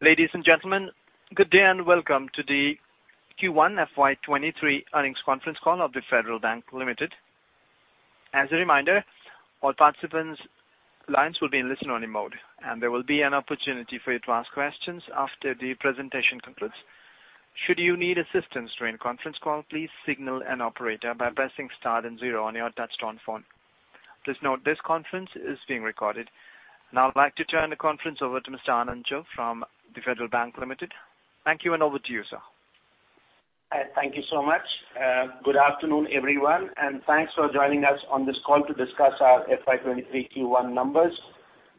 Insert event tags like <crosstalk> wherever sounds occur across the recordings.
Ladies and gentlemen, good day and welcome to the Q1 FY 2023 Earnings Conference Call of The Federal Bank Limited. As a reminder, all participants' lines will be in listen-only mode, and there will be an opportunity for you to ask questions after the presentation concludes. Should you need assistance during the conference call, please signal an operator by pressing star then zero on your touchtone phone. Please note this conference is being recorded. Now I'd like to turn the conference over to Mr. Anand Chugh from The Federal Bank Limited. Thank you, and over to you, sir. Hi. Thank you so much. Good afternoon, everyone, and thanks for joining us on this call to discuss our FY 2023 Q1 numbers.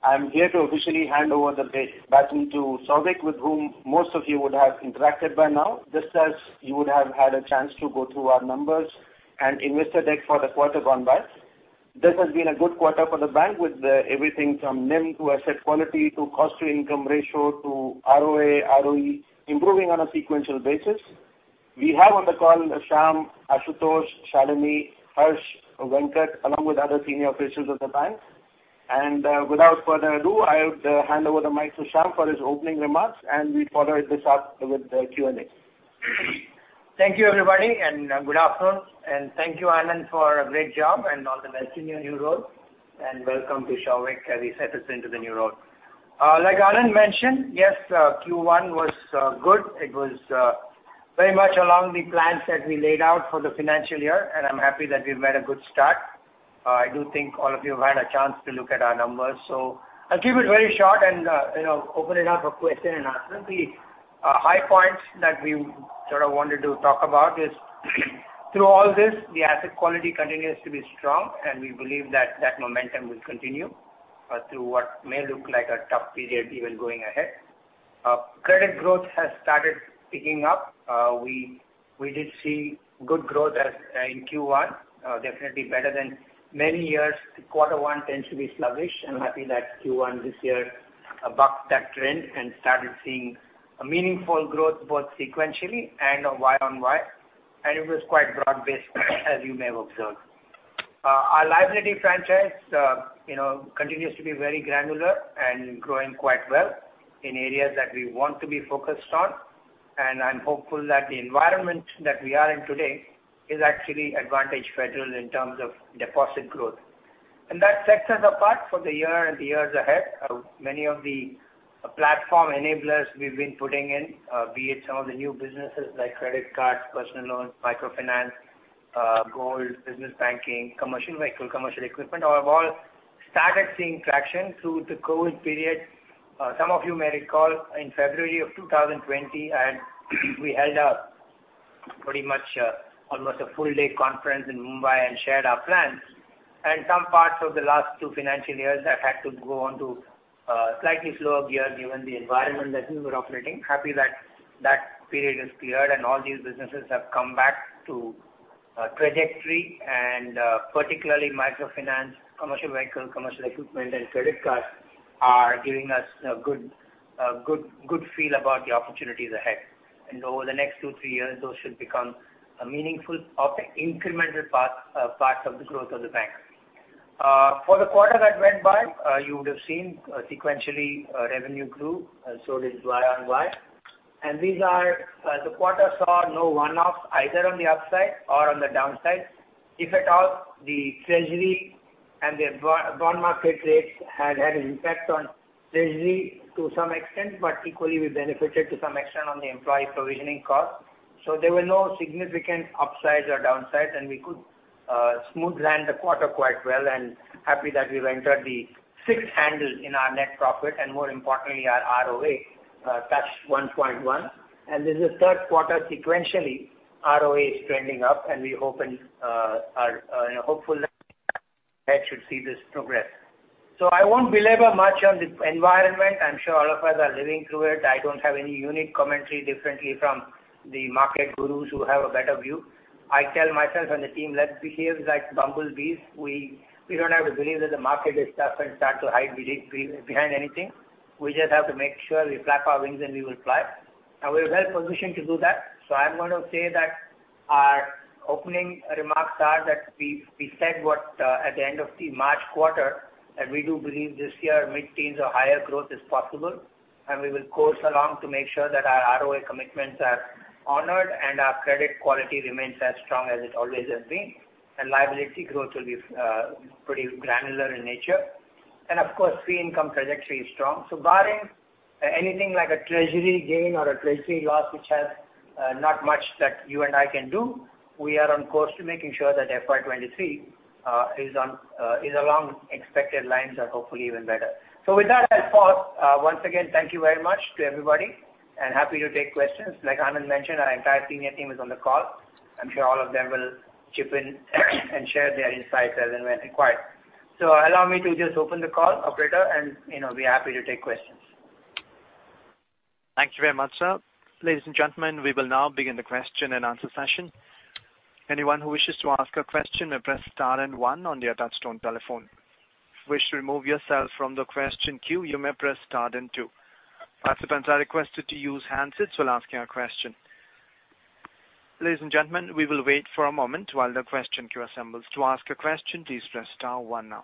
I'm here to officially hand over the baton to Souvik, with whom most of you would have interacted by now, just as you would have had a chance to go through our numbers and investor deck for the quarter gone by. This has been a good quarter for the bank with everything from NIM to asset quality to cost to income ratio to ROA, ROE improving on a sequential basis. We have on the call Shyam, Ashutosh, Shalini, Harsh, Venkat, along with other senior officials of the bank. Without further ado, I'll hand over the mic to Shyam for his opening remarks, and we follow this up with the Q&A. Thank you, everybody, and good afternoon. Thank you, Anand, for a great job and all the best in your new role. Welcome to Souvik as he sets us into the new role. Like Anand mentioned, yes, Q1 was good. It was very much along the plans that we laid out for the financial year, and I'm happy that we've made a good start. I do think all of you have had a chance to look at our numbers. So I'll keep it very short and, you know, open it up for question and answer. The high points that we sort of wanted to talk about is through all this, the asset quality continues to be strong, and we believe that that momentum will continue through what may look like a tough period even going ahead. Credit growth has started picking up. We did see good growth as in Q1, definitely better than many years. Quarter one tends to be sluggish. I'm happy that Q1 this year bucked that trend and started seeing a meaningful growth both sequentially and a YoY. It was quite broad-based as you may have observed. Our liability franchise, you know, continues to be very granular and growing quite well in areas that we want to be focused on. I'm hopeful that the environment that we are in today is actually an advantage for Federal in terms of deposit growth. That sets us apart for the year and the years ahead. Many of the platform enablers we've been putting in, be it some of the new businesses like credit cards, personal loans, microfinance, gold, business banking, commercial vehicle, commercial equipment, have all started seeing traction through the COVID period. Some of you may recall in February 2020, we held pretty much almost a full day conference in Mumbai and shared our plans. Some parts of the last two financial years that had to go on to slightly slower gear given the environment that we were operating. Happy that that period has cleared and all these businesses have come back to trajectory, and particularly microfinance, commercial vehicle, commercial equipment and credit cards are giving us a good feel about the opportunities ahead. Over the next two or three years, those should become a meaningful part of the incremental parts of the growth of the bank. For the quarter that went by, you would have seen, sequentially, revenue grew, so did YoY. This quarter saw no one-offs either on the upside or on the downside. If at all, the treasury and the bond market rates had had an impact on treasury to some extent, but equally we benefited to some extent on the employee provisioning cost. There were no significant upsides or downsides, and we could smoothly land the quarter quite well, and happy that we've entered the sixth handle in our net profit and more importantly, our ROA touched 1.1%. This is the third quarter sequentially ROA is trending up, and we hope and are hopeful should see this progress. I won't belabor much on the environment. I'm sure all of us are living through it. I don't have any unique commentary differently from the market gurus who have a better view. I tell myself and the team, "Let's behave like bumblebees." We don't have to believe that the market is tough and start to hide behind anything. We just have to make sure we flap our wings and we will fly. We're well-positioned to do that. I'm gonna say that our opening remarks are that we said what at the end of the March quarter, and we do believe this year mid-teens or higher growth is possible, and we will course along to make sure that our ROA commitments are honored and our credit quality remains as strong as it always has been. Liability growth will be pretty granular in nature. Of course, fee income trajectory is strong. Barring anything like a treasury gain or a treasury loss, which has not much that you and I can do, we are on course to making sure that FY 2023 is along expected lines or hopefully even better. With that, I pause. Once again, thank you very much to everybody and happy to take questions. Like Anand mentioned, our entire senior team is on the call. I'm sure all of them will chip in and share their insights as and when required. Allow me to just open the call, operator, and, you know, be happy to take questions. Thank you very much, sir. Ladies and gentlemen, we will now begin the question and answer session. Anyone who wishes to ask a question may press star then one on your touchtone telephone. If you wish to remove yourself from the question queue, you may press star then two. Participants are requested to use handsets while asking a question. Ladies and gentlemen, we will wait for a moment while the question queue assembles. To ask a question, please press star one now.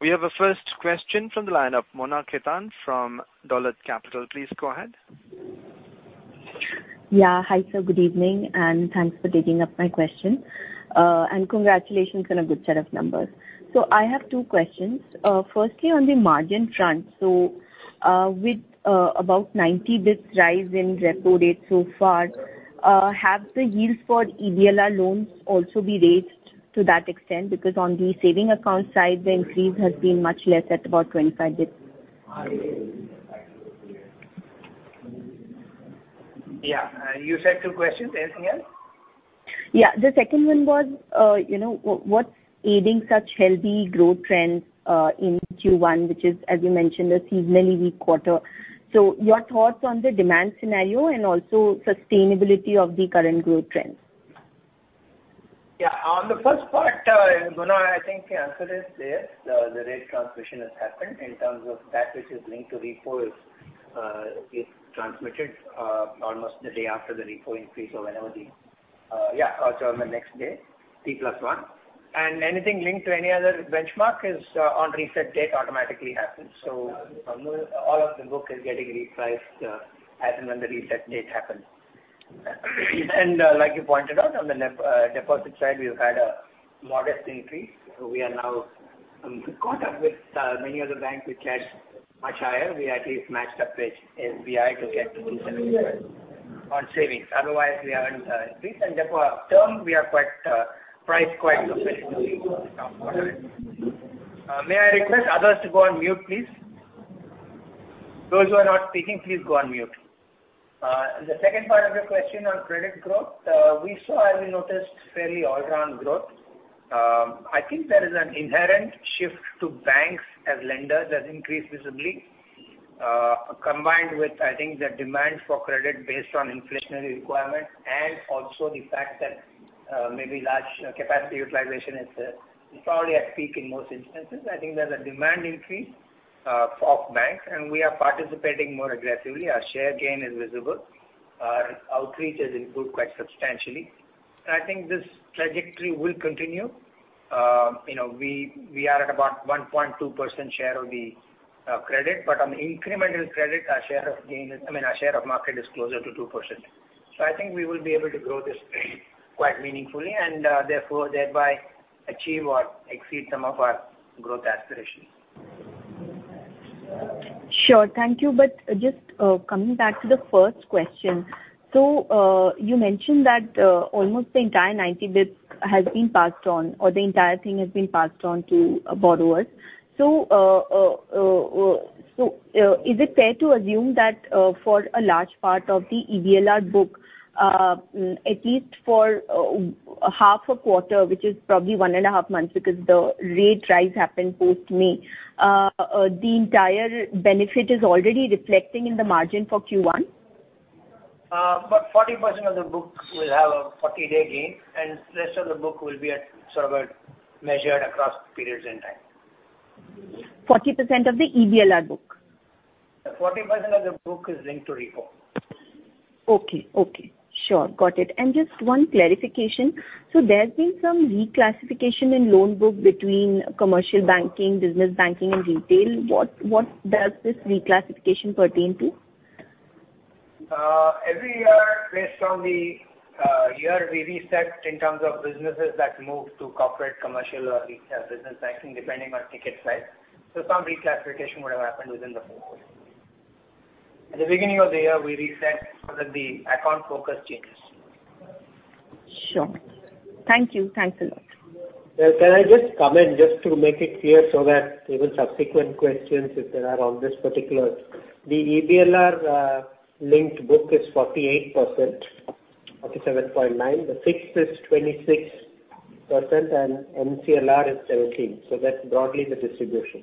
We have a first question from the line of Mona Khetan from Dolat Capital. Please go ahead. Yeah. Hi, sir. Good evening, and thanks for taking up my question. Congratulations on a good set of numbers. I have two questions. Firstly, on the margin front, with about 90 basis points rise in repo rate so far, have the yields for EBLR loans also be raised to that extent? Because on the savings account side, the increase has been much less at about 25 basis points. Yeah. You said two questions. Anything else? Yeah. The second one was, you know, what's aiding such healthy growth trends in Q1, which is, as you mentioned, a seasonally weak quarter. Your thoughts on the demand scenario and also sustainability of the current growth trends. Yeah. On the first part, Mona, I think the answer is, yes, the rate transmission has happened in terms of that which is linked to repo is transmitted almost the day after the repo increase or the next day, T+1. Anything linked to any other benchmark is on reset date automatically happens. Mona, all of the book is getting repriced as and when the reset date happens. Like you pointed out, on the deposit side, we've had a modest increase. We are now caught up with many other banks which had much higher. We at least matched up with SBI to get to 2.7% on savings. Otherwise, we are in increase. Therefore, term, we are quite priced quite competitively. May I request others to go on mute, please. Those who are not speaking, please go on mute. The second part of your question on credit growth, we saw and we noticed fairly all around growth. I think there is an inherent shift to banks as lenders has increased visibly, combined with, I think, the demand for credit based on inflationary requirements and also the fact that, maybe large capacity utilization is probably at peak in most instances. I think there's a demand increase, for banks, and we are participating more aggressively. Our share gain is visible. Our outreach has improved quite substantially. I think this trajectory will continue. You know, we are at about 1.2% share of the credit, but on the incremental credit, our share of gain is, I mean, our share of market is closer to 2%. I think we will be able to grow this space quite meaningfully and therefore thereby achieve or exceed some of our growth aspirations. Sure. Thank you. Just coming back to the first question. You mentioned that almost the entire 90 basis points has been passed on or the entire thing has been passed on to borrowers. Is it fair to assume that for a large part of the EBLR book at least for half a quarter, which is probably 1.5 months because the rate rise happened post-May, the entire benefit is already reflecting in the margin for Q1? About 40% of the books will have a 40-day gain, and rest of the book will be at sort of a measured across periods in time. 40% of the EBLR book? 40% of the book is linked to repo. Okay. Sure. Got it. Just one clarification. There's been some reclassification in loan book between commercial banking, business banking and retail. What does this reclassification pertain to? Every year based on the year we reset in terms of businesses that move to corporate, commercial or retail business banking, depending on ticket size. Some reclassification would have happened within the book. At the beginning of the year, we reset so that the account focus changes. Sure. Thank you. Thanks a lot. Well, can I just comment to make it clear so that even subsequent questions, if there are on this particular. The EBLR linked book is 48%, 47.9. The fixed is 26% and MCLR is 17. That's broadly the distribution.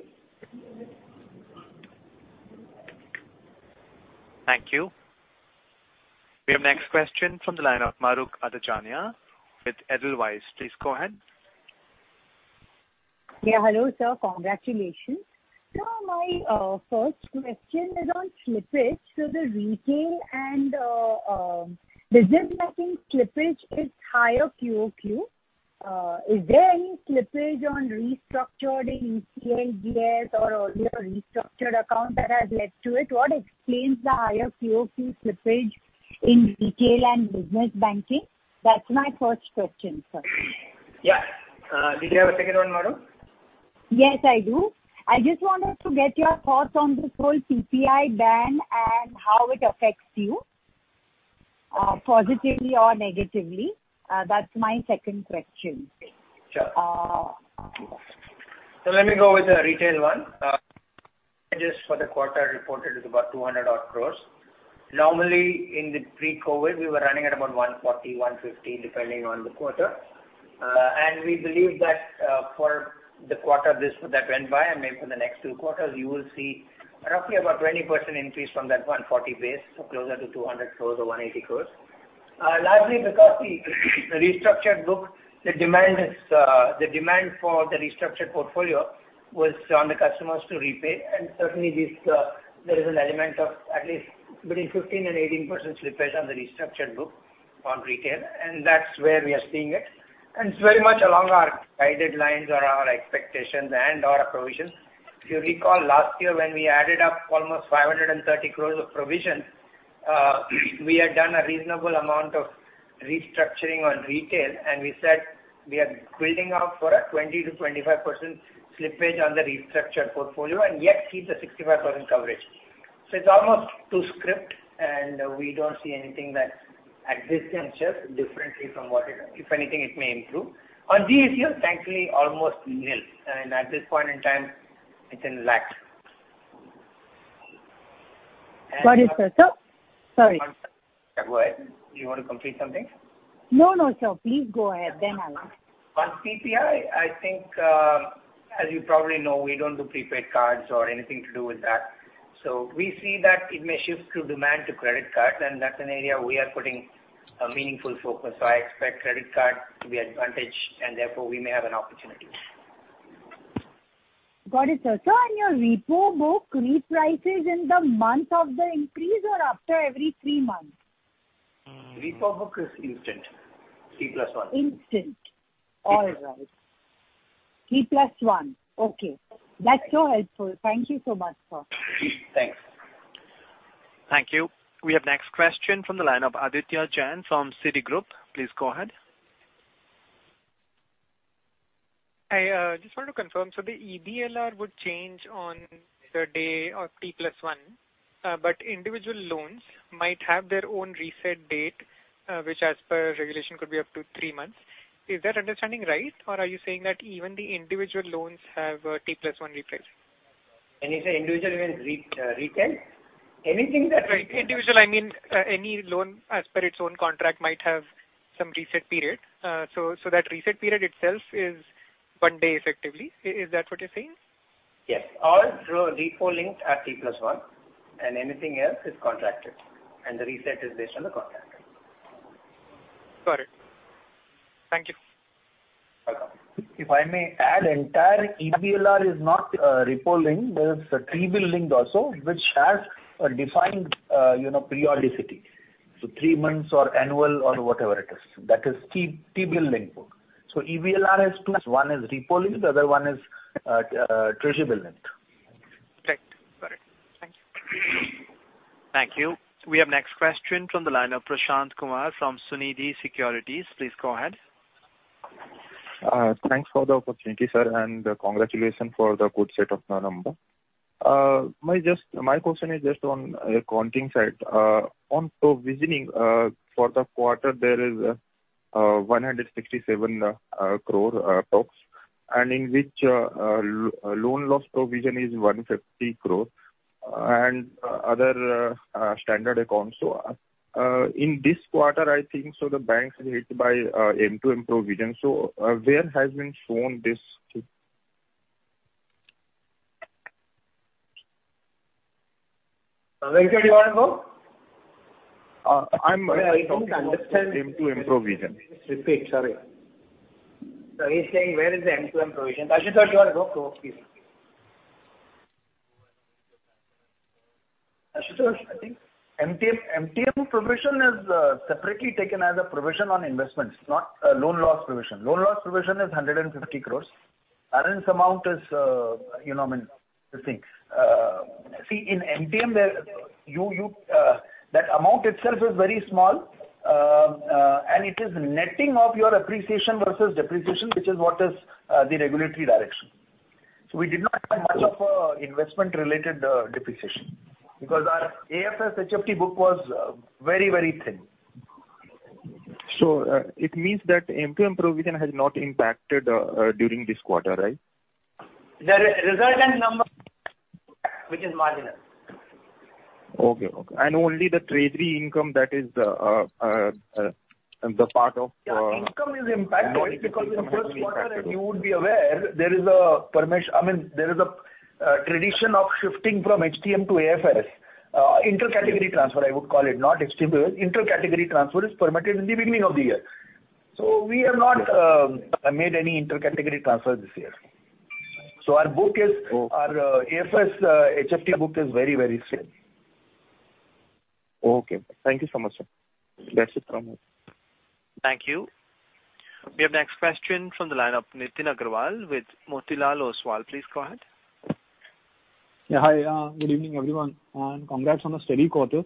Thank you. We have next question from the line of Mahrukh Adajania with Edelweiss. Please go ahead. Hello, sir. Congratulations. My first question is on slippage. The retail and business banking slippage is higher QOQ. Is there any slippage on restructuring ECLGS or earlier restructured account that has led to it? What explains the higher QOQ slippage in retail and business banking? That's my first question, sir. Yeah. Did you have a second one, Madhu? Yes, I do. I just wanted to get your thoughts on this whole PPI ban and how it affects you, positively or negatively? That's my second question. Sure. Uh. Let me go with the retail one. Slippage for the quarter reported is about 200 crore. Normally, in the pre-COVID, we were running at about 140, 150, depending on the quarter. We believe that, for the quarter that went by and maybe for the next two quarters, you will see roughly about 20% increase from that 140 base, so closer to 200 crore or 180 crore. Largely because the restructured book, the demand for the restructured portfolio was on the customers to repay. Certainly this, there is an element of at least between 15%-18% slippage on the restructured book on retail, and that's where we are seeing it. It's very much along our guidelines or our expectations and our provisions. If you recall, last year when we added up almost 530 crore of provision, we had done a reasonable amount of restructuring on retail and we said we are building up for a 20%-25% slippage on the restructured portfolio and yet keep the 65% coverage. It's almost to script and we don't see anything that exists and shifts differently from what it is. If anything, it may improve. On ECLGS, thankfully almost nil, and at this point in time it's in lag. Got it, sir. Sorry. Go ahead. You want to complete something? No, no, sir. Please go ahead, then I'll ask. On PPI, I think, as you probably know, we don't do prepaid cards or anything to do with that. We see that it may shift the demand to credit card, and that's an area we are putting a meaningful focus. I expect credit card to be an advantage and therefore we may have an opportunity. Got it, sir. On your repo book, reprices in the month of the increase or after every three months? Repo book is instant. T+1. Instant. Yes. All right. T+1. Okay. That's so helpful. Thank you so much, sir. Thanks. Thank you. We have next question from the line of Aditya Jain from Citigroup. Please go ahead. I just want to confirm, so the EBLR would change on the day of T+1, but individual loans might have their own reset date, which as per regulation could be up to three months. Is that understanding right? Or are you saying that even the individual loans have a T+1 reprice? When you say individual, you mean retail? Anything that Right. Individual, I mean, any loan as per its own contract might have some reset period. So, that reset period itself is one day effectively. Is that what you're saying? Yes. All through repo links are T+1, and anything else is contracted, and the reset is based on the contract. Got it. Thank you. Welcome. If I may add, entire EBLR is not repo link. There is a T-bill link also which has a defined, you know, periodicity. Three months or annual or whatever it is, that is T-bill link book. EBLR has two. One is repo link, the other one is treasury bill link. Correct. Got it. Thank you. Thank you. We have next question from the line of Prashant Kumar from Sunidhi Securities. Please go ahead. Thanks for the opportunity, sir, and congratulations for the good set of numbers. My question is just on accounting side. On provisioning for the quarter there is INR 167 crore tops, and in which loan loss provision is INR 150 crore and other standard accounts. In this quarter, I think, the bank's hit by MTM provision. Where has been shown this? Ashutosh, do you wanna go? Uh, I'm- I didn't understand. MTM provision. He's saying, where is the MTM provision? Ashutosh, sir, do you wanna go? Go, please. Ashutosh, sir, I think MTM provision is separately taken as a provision on investments, not a loan loss provision. Loan loss provision is 150 crores. Balance amount is, you know, I mean, this thing. See, in MTM there you that amount itself is very small, and it is netting of your appreciation versus depreciation, which is what is the regulatory direction. We did not have much of a investment related depreciation because our AFS HFT book was very thin. It means that MTM provision has not impacted during this quarter, right? The resultant number, which is marginal. Okay. Only the treasury income that is, the part of. Yeah, income is impacted because in the first quarter you would be aware there is a tradition of shifting from HTM to AFS. I mean, inter-category transfer, I would call it, not HTM to AFS. Inter-category transfer is permitted in the beginning of the year. We have not made any inter-category transfers this year. Our book is. Oh. Our AFS HFT book is very, very slim. Okay. Thank you so much, sir. That's it from me. Thank you. We have next question from the line of Nitin Aggarwal with Motilal Oswal. Please go ahead. Yeah. Hi. Good evening, everyone, and congrats on a steady quarter.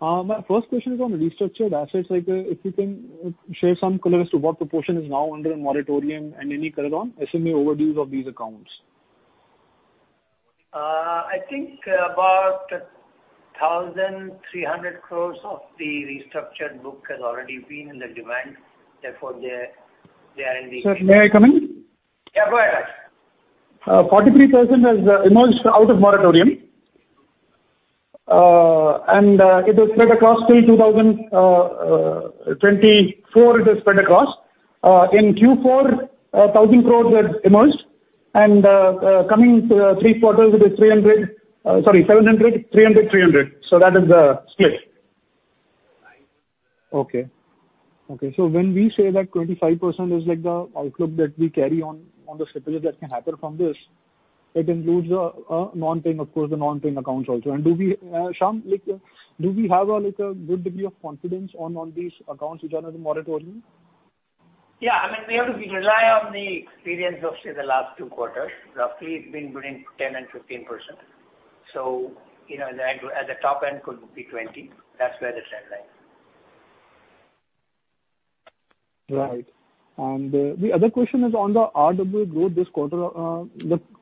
My first question is on restructured assets. Like, if you can, share some color as to what proportion is now under a moratorium and any color on SME overdues of these accounts. I think about 1,300 crores of the restructured book has already been in demand, therefore they're in the- Sir, may I come in? Yeah, go ahead. 43% has emerged out of moratorium. It is spread across till 2024. In Q4, 1,000 crore has emerged. Coming to three quarters with 700, 300. That is the split. Okay. So when we say that 25% is like the outlook that we carry on the securities that can happen from this, it includes non-paying accounts, of course. Do we, Shyam, like, have like a good degree of confidence on these accounts which are under moratorium? Yeah. I mean, we have to rely on the experience of, say, the last two quarters. Roughly it's been between 10% and 15%. You know, at the top end could be 20%. That's where the trend lies. Right. The other question is on the RWA growth this quarter.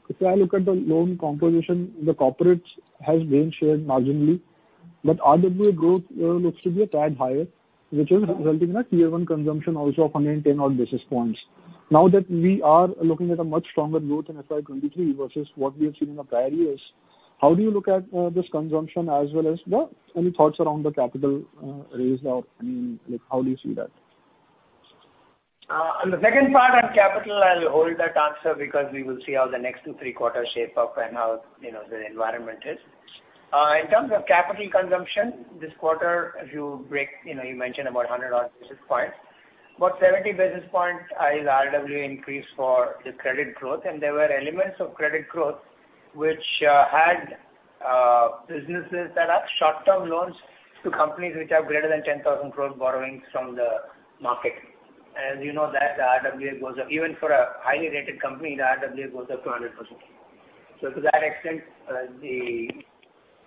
If I look at the loan composition, the corporates has gained share marginally, but RWA growth looks to be a tad higher, which is resulting in a Tier one consumption also of 110 odd basis points. Now that we are looking at a much stronger growth in FY 2023 versus what we have seen in the prior years, how do you look at this consumption as well as any thoughts around the capital raised or, I mean, like, how do you see that? On the second part on capital, I'll hold that answer because we will see how the next two, three quarters shape up and how, you know, the environment is. In terms of capital consumption, this quarter if you break, you know, you mentioned about 100 odd basis points. About 70 basis points is RWA increase for the credit growth, and there were elements of credit growth which had businesses that are short-term loans to companies which have greater than 10,000 crore borrowings from the market. As you know that the RWA goes up. Even for a highly rated company, the RWA goes up to 100%. So to that extent, the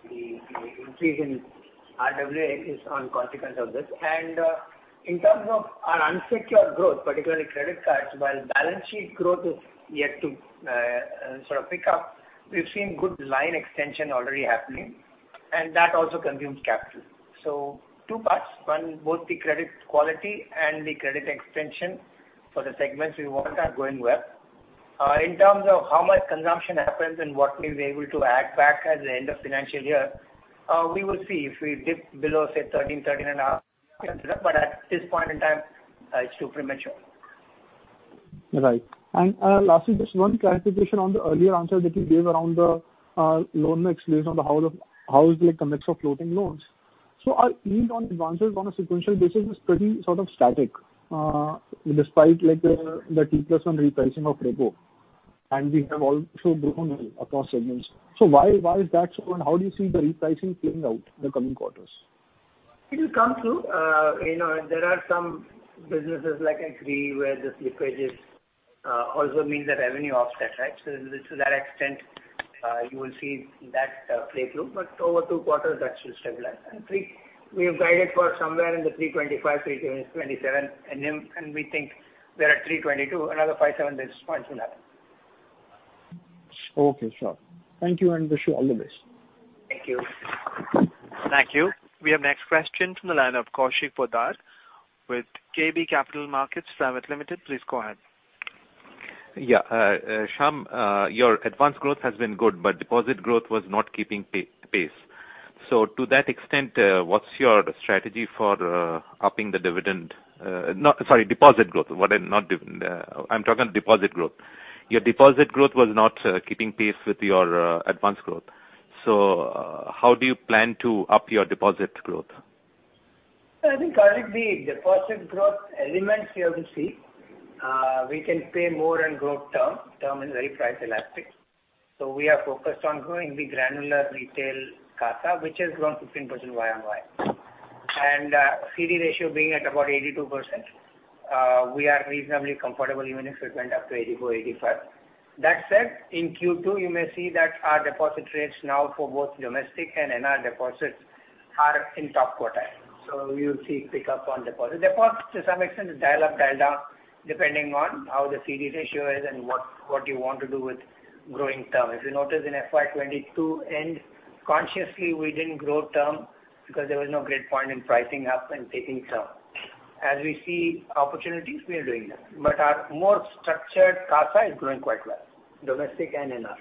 increase in RWA is a consequence of this. In terms of our unsecured growth, particularly credit cards, while balance sheet growth is yet to sort of pick up, we've seen good line extension already happening, and that also consumes capital. Two parts. One, both the credit quality and the credit extension for the segments we want are going well. In terms of how much consumption happens and what we're able to add back at the end of financial year, we will see if we dip below, say, 13%-13.5%. At this point in time, it's too premature. Right. Lastly, just one clarification on the earlier answer that you gave around the loan mix, based on how the mix of floating loans is. Our yield on advances on a sequential basis is pretty sort of static, despite like the T+1 repricing of repo, and we have also grown well across segments. Why is that so, and how do you see the repricing playing out in the coming quarters? It'll come through. You know, there are some businesses like agri where this leakage is also means a revenue offset, right? To that extent, you will see that play through. Over two quarters that should stabilize. Three, we have guided for somewhere in the 3.25%-3.27%, and we think we're at 3.22%. Another five-seven basis points will happen. Okay, sure. Thank you and wish you all the best. Thank you. Thank you. We have next question from the line of Kaushik Poddar with KB Capital Markets Pvt. Ltd. Please go ahead. Yeah. Shyam, your advance growth has been good, but deposit growth was not keeping pace. To that extent, what's your strategy for upping the deposit growth? No, sorry. I'm talking deposit growth. Your deposit growth was not keeping pace with your advance growth. How do you plan to up your deposit growth? I think, Kaushik Poddar, the deposit growth elements you have to see. We can pay more and grow term. Term is very price elastic. So we are focused on growing the granular retail CASA, which has grown 15% YoY. CD ratio being at about 82%, we are reasonably comfortable even if it went up to 84%-85%. That said, in Q2 you may see that our deposit rates now for both domestic and NR deposits are in top quartile. So you'll see pick up on deposit. Deposit to some extent is dial up, dial down, depending on how the CD ratio is and what you want to do with growing term. If you notice in FY 2022 end, consciously we didn't grow term because there was no great point in pricing up and taking term. As we see opportunities, we are doing that. Our more structured CASA is growing quite well, domestic and NR.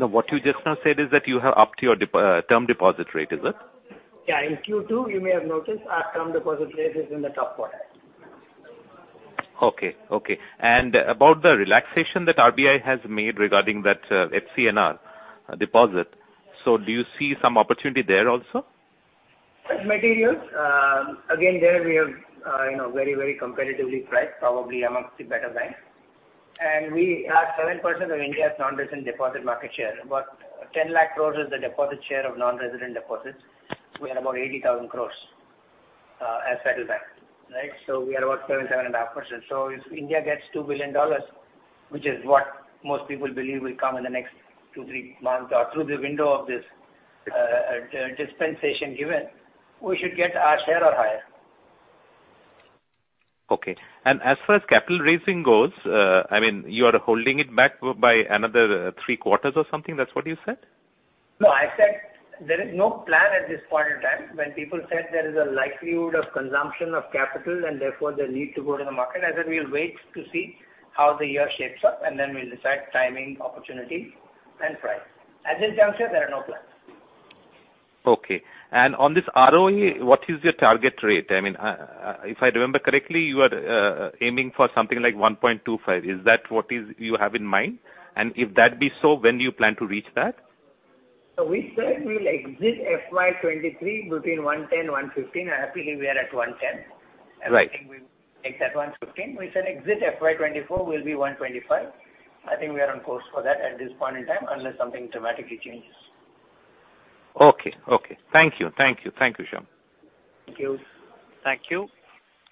Now, what you just now said is that you have upped your term deposit rate, is it? Yeah. In Q2, you may have noticed our term deposit rate is in the top quartile. Okay. About the relaxation that RBI has made regarding that FCNR deposit. Do you see some opportunity there also? It's material. Again, there we are, you know, very, very competitively priced, probably among the better banks. We are 7% of India's non-resident deposit market share. About 10 lakh crore is the deposit share of non-resident deposits. We are about 80,000 crore as Federal Bank, right? We are about 7.5%. If India gets $2 billion, which is what most people believe will come in the next two, three months or through the window of this dispensation given, we should get our share or higher. Okay. As far as capital raising goes, I mean, you are holding it back by another three quarters or something. That's what you said? No, I said there is no plan at this point in time. When people said there is a likelihood of consumption of capital and therefore the need to go to the market, I said we'll wait to see how the year shapes up, and then we'll decide timing, opportunity and price. At this juncture, there are no plans. Okay. On this ROE, what is your target rate? I mean, if I remember correctly, you are aiming for something like 1.25. Is that what it is you have in mind? If that be so, when do you plan to reach that? We said we'll exit FY 2023 between 110-115. I believe we are at 110. Right. I think we will take that 1.15. We said exit FY 2024 will be 1.25. I think we are on course for that at this point in time, unless something dramatically changes. Okay. Thank you, Shyam. Thank you. Thank you.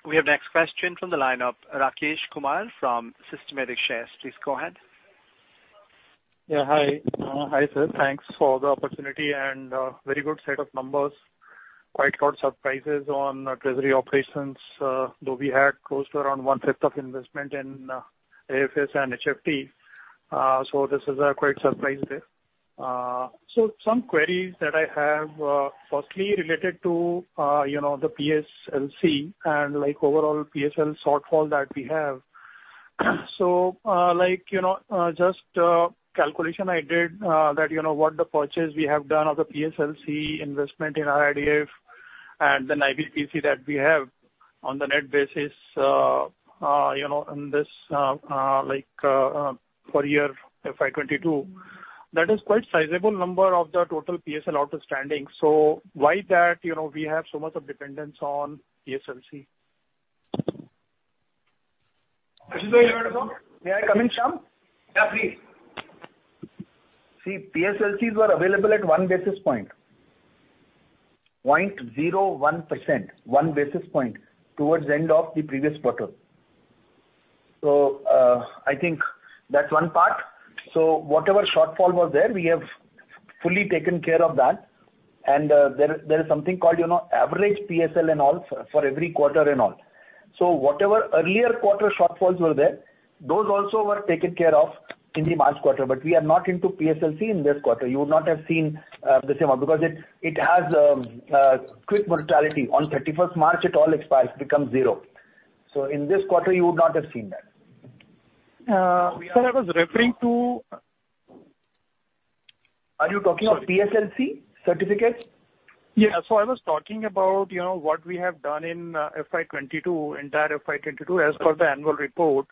We have next question from the line of Rakesh Kumar from Systematix Shares. Please go ahead. Yeah, hi. Hi, sir. Thanks for the opportunity and very good set of numbers. Quite a lot of surprises on treasury operations, though we had close to around 1/5 of investment in AFS and HFT. This is quite surprising. Some queries that I have, firstly related to you know the PSLC and like overall PSL shortfall that we have. Like, you know, just calculation I did, that you know the purchase we have done of the PSLC investment in RIDF and then IBPC that we have on the net basis, you know, in this like for year FY 2022. That is quite a sizable number of the total PSL outstanding. Why that, you know, we have so much dependence on PSLC? Ashutosh, do you want to talk? May I come in, Shyam? Yeah, please. See, PSLCs were available at one basis point, 0.01%, one basis point towards the end of the previous quarter. I think that's one part. Whatever shortfall was there, we have fully taken care of that. There is something called, you know, average PSL and all for every quarter and all. Whatever earlier quarter shortfalls were there, those also were taken care of in the March quarter. We are not into PSLC in this quarter. You would not have seen the same because it has quick mortality. On 31st March, it all expires, become zero. In this quarter you would not have seen that. Sir, I was referring to. Are you talking of PSLC certificates? I was talking about, you know, what we have done in FY 2022, entire FY 2022 as per the annual report.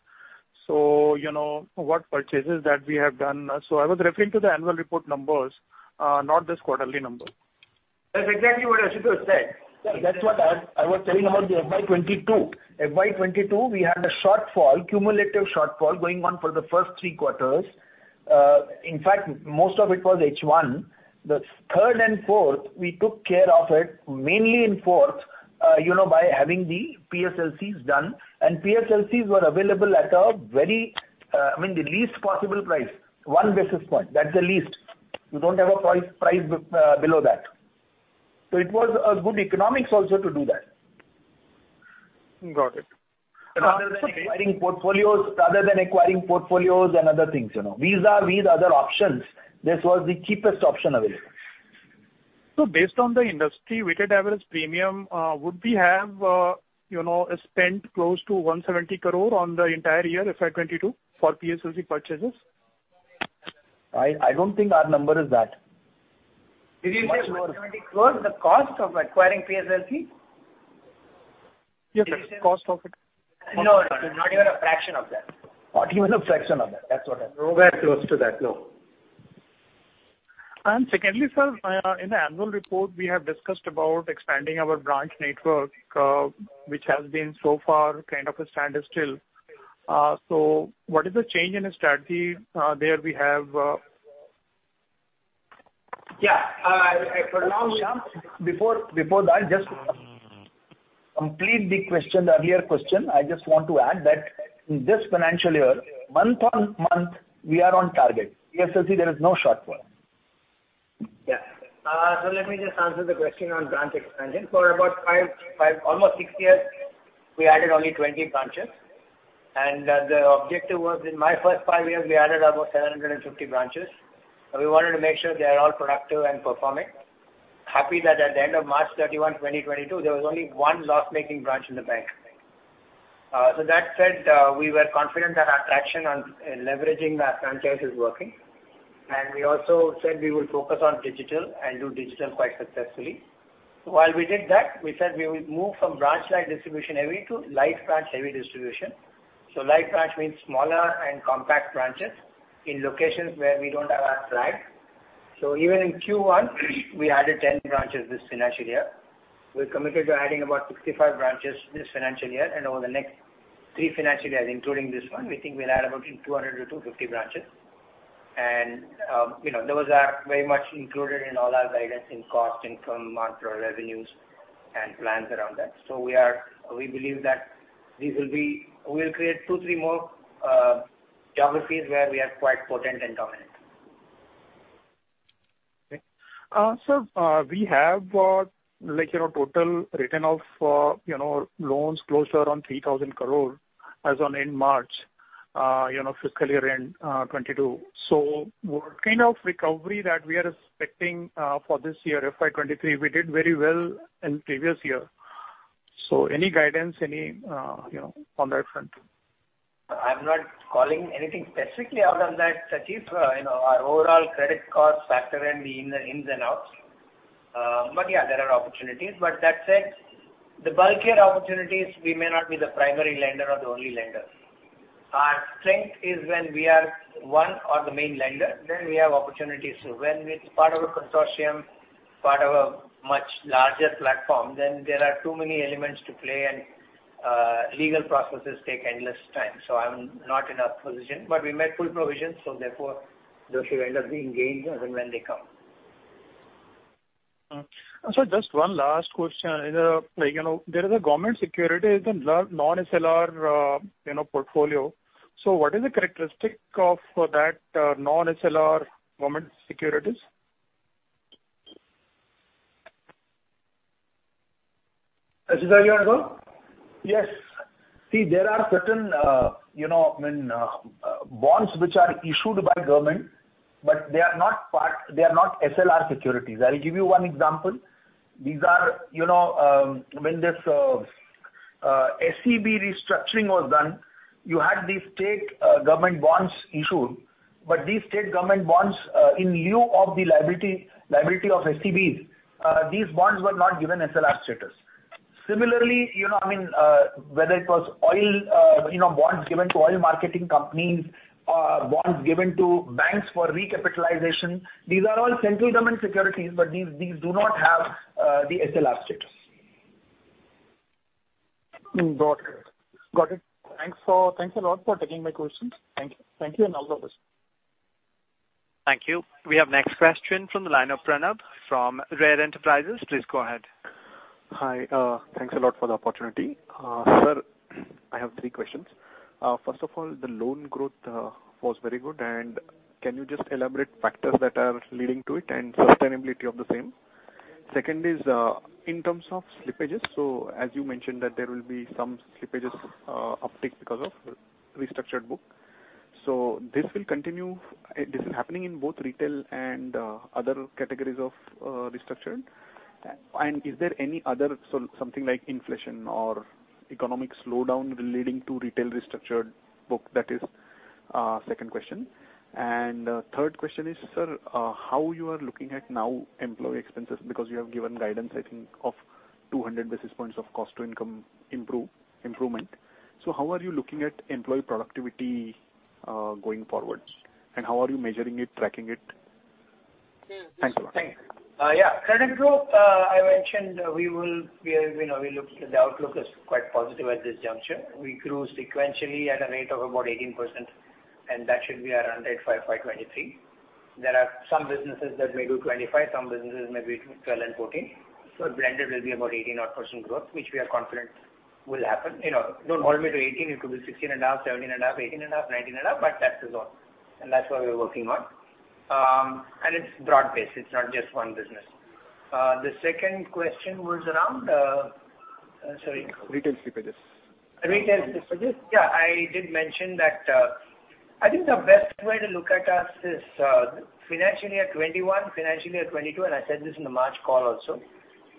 You know, what purchases that we have done. I was referring to the annual report numbers, not this quarterly numbers. That's exactly what Ashutosh has said. That's what I was telling about the FY 2022. FY 2022, we had a shortfall, cumulative shortfall going on for the first three quarters. In fact, most of it was H1. The third and fourth, we took care of it mainly in fourth, by having the PSLCs done. And PSLCs were available at a very, I mean the least possible price, one basis point. That's the least. You don't have a price below that. It was a good economics also to do that. Got it. Rather than acquiring portfolios and other things, you know. These are other options. This was the cheapest option available. Based on the industry weighted average premium, would we have, you know, spent close to 170 crore on the entire year, FY 2022 for PSLC purchases? I don't think our number is that. Did you say INR 170 crore is the cost of acquiring PSLC? Yes, cost of it. No, no. Not even a fraction of that. Not even a fraction of that. That's what I said. Nowhere close to that. No. Secondly, sir, in the annual report we have discussed about expanding our branch network, which has been so far kind of a standstill. What is the change in the strategy, there we have? Yeah. For now we have- Shyam, before that, just complete the question, the earlier question. I just want to add that in this financial year, month-on-month, we are on target. PSLC, there is no shortfall. Yeah. Let me just answer the question on branch expansion. For about five, almost six years, we added only 20 branches. The objective was in my first five years, we added about 750 branches. We wanted to make sure they are all productive and performing. Happy that at the end of March 31, 2022, there was only one loss-making branch in the bank. That said, we were confident that our traction on leveraging our franchise is working. We also said we will focus on digital and do digital quite successfully. While we did that, we said we will move from branch light distribution heavy to light branch heavy distribution. Light branch means smaller and compact branches in locations where we don't have our flag. Even in Q1, we added 10 branches this financial year. We're committed to adding about 65 branches this financial year and over the next three financial years, including this one, we think we'll add about 200-250 branches. You know, those are very much included in all our guidance in cost income, marginal revenues and plans around that. We believe that this will be. We'll create two, three more geographies where we are quite potent and dominant. Okay. Sir, we have, like, you know, total return of, you know, loans close to 3,000 crore as on end March fiscal year end 2022. What kind of recovery that we are expecting for this year, FY 2023? We did very well in previous year. Any guidance, any, you know, on that front? I'm not calling anything specifically out on that, Rakesh Kumar. You know, our overall credit cost factor in the ins and outs. Yeah, there are opportunities. That said, the bulkier opportunities, we may not be the primary lender or the only lender. Our strength is when we are one or the main lender, then we have opportunities. When it's part of a consortium, part of a much larger platform, then there are too many elements to play and legal processes take endless time. I'm not in a position, but we made full provisions, so therefore those who end up being engaged, then when they come. Sir, just one last question. You know, there is a government security, the non-SLR, you know, portfolio. What is the characteristic of that non-SLR government securities? Ashutosh, do you wanna go? Yes. See, there are certain bonds which are issued by government, but they are not part, they are not SLR securities. I'll give you one example. These are when this SEB restructuring was done, you had these state government bonds issued. These state government bonds in lieu of the liability of SCBs, these bonds were not given SLR status. Similarly, whether it was oil bonds given to oil marketing companies, bonds given to banks for recapitalization, these are all central government securities, but these do not have the SLR status. Got it. Thanks a lot for taking my questions. Thank you and all the best. Thank you. We have next question from the line of Pranav from RARE Enterprises. Please go ahead. Hi. Thanks a lot for the opportunity. Sir, I have three questions. First of all, the loan growth was very good, and can you just elaborate factors that are leading to it and sustainability of the same? Second is, in terms of slippages, so as you mentioned that there will be some slippages uptick because of restructured book. This will continue. This is happening in both retail and other categories of restructured. Is there any other, so something like inflation or economic slowdown leading to retail restructured book? That is second question. Third question is, sir, how you are looking at now employee expenses because you have given guidance, I think, of 200 basis points of cost to income improvement. How are you looking at employee productivity, going forwards, and how are you measuring it, tracking it? Thanks a lot. Thanks. Yeah. Credit growth, I mentioned, you know, we look at the outlook is quite positive at this juncture. We grew sequentially at a rate of about 18%, and that should be around 8.5% by 2023. There are some businesses that may do 25%, some businesses maybe 12% and 14%. So blended will be about 18%-odd growth, which we are confident will happen. You know, don't hold me to 18%. It could be 16.5%, 17.5%, 18.5%, 19.5%, but that is all. That's what we're working on. It's broad-based. It's not just one business. The second question was around, sorry. Retail slippages. Retail slippages. Yeah, I did mention that, I think the best way to look at us is, financially at 2021, financially at 2022, and I said this in the March call also,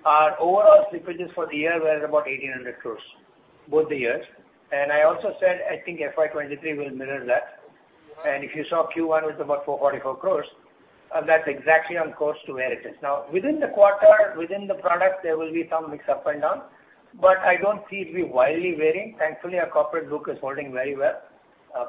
our overall slippages for the year were about 1,800 crore, both the years. I also said, I think FY 2023 will mirror that. If you saw Q1 with about 444 crore, that's exactly on course to where it is. Now, within the quarter, within the product, there will be some mix up and down, but I don't see it be wildly varying. Thankfully, our corporate book is holding very well.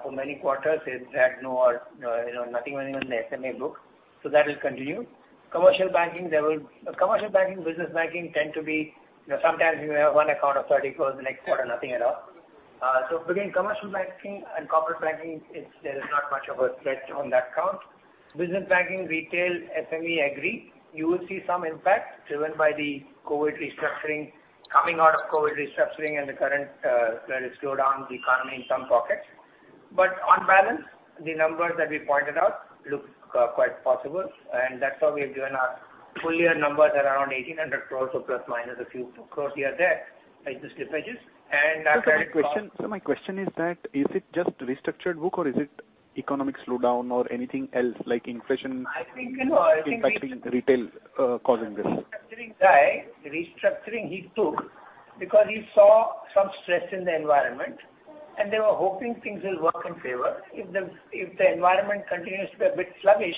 For many quarters, it's had no, you know, nothing went in the SME book. So that will continue. Commercial banking, there will... Commercial banking, business banking tend to be, you know, sometimes you may have one account of 30 crore, the next quarter, nothing at all. So between commercial banking and corporate banking, it's. There is not much of a threat on that count. Business banking, retail, SME, agri, you will see some impact driven by the COVID restructuring, coming out of COVID restructuring and the current there is slowdown in the economy in some pockets. But on balance, the numbers that we pointed out look quite possible, and that's why we have given our full year numbers around 1,800 crore or plus or minus a few crore here or there as the slippages. Our credit cost- Sir, my question is that, is it just restructured book or is it economic slowdown or anything else like inflation? I think, you know, I think it. impacting retail, causing this. Restructuring guy, the restructuring he took because he saw some stress in the environment, and they were hoping things will work in favor. If the environment continues to be a bit sluggish,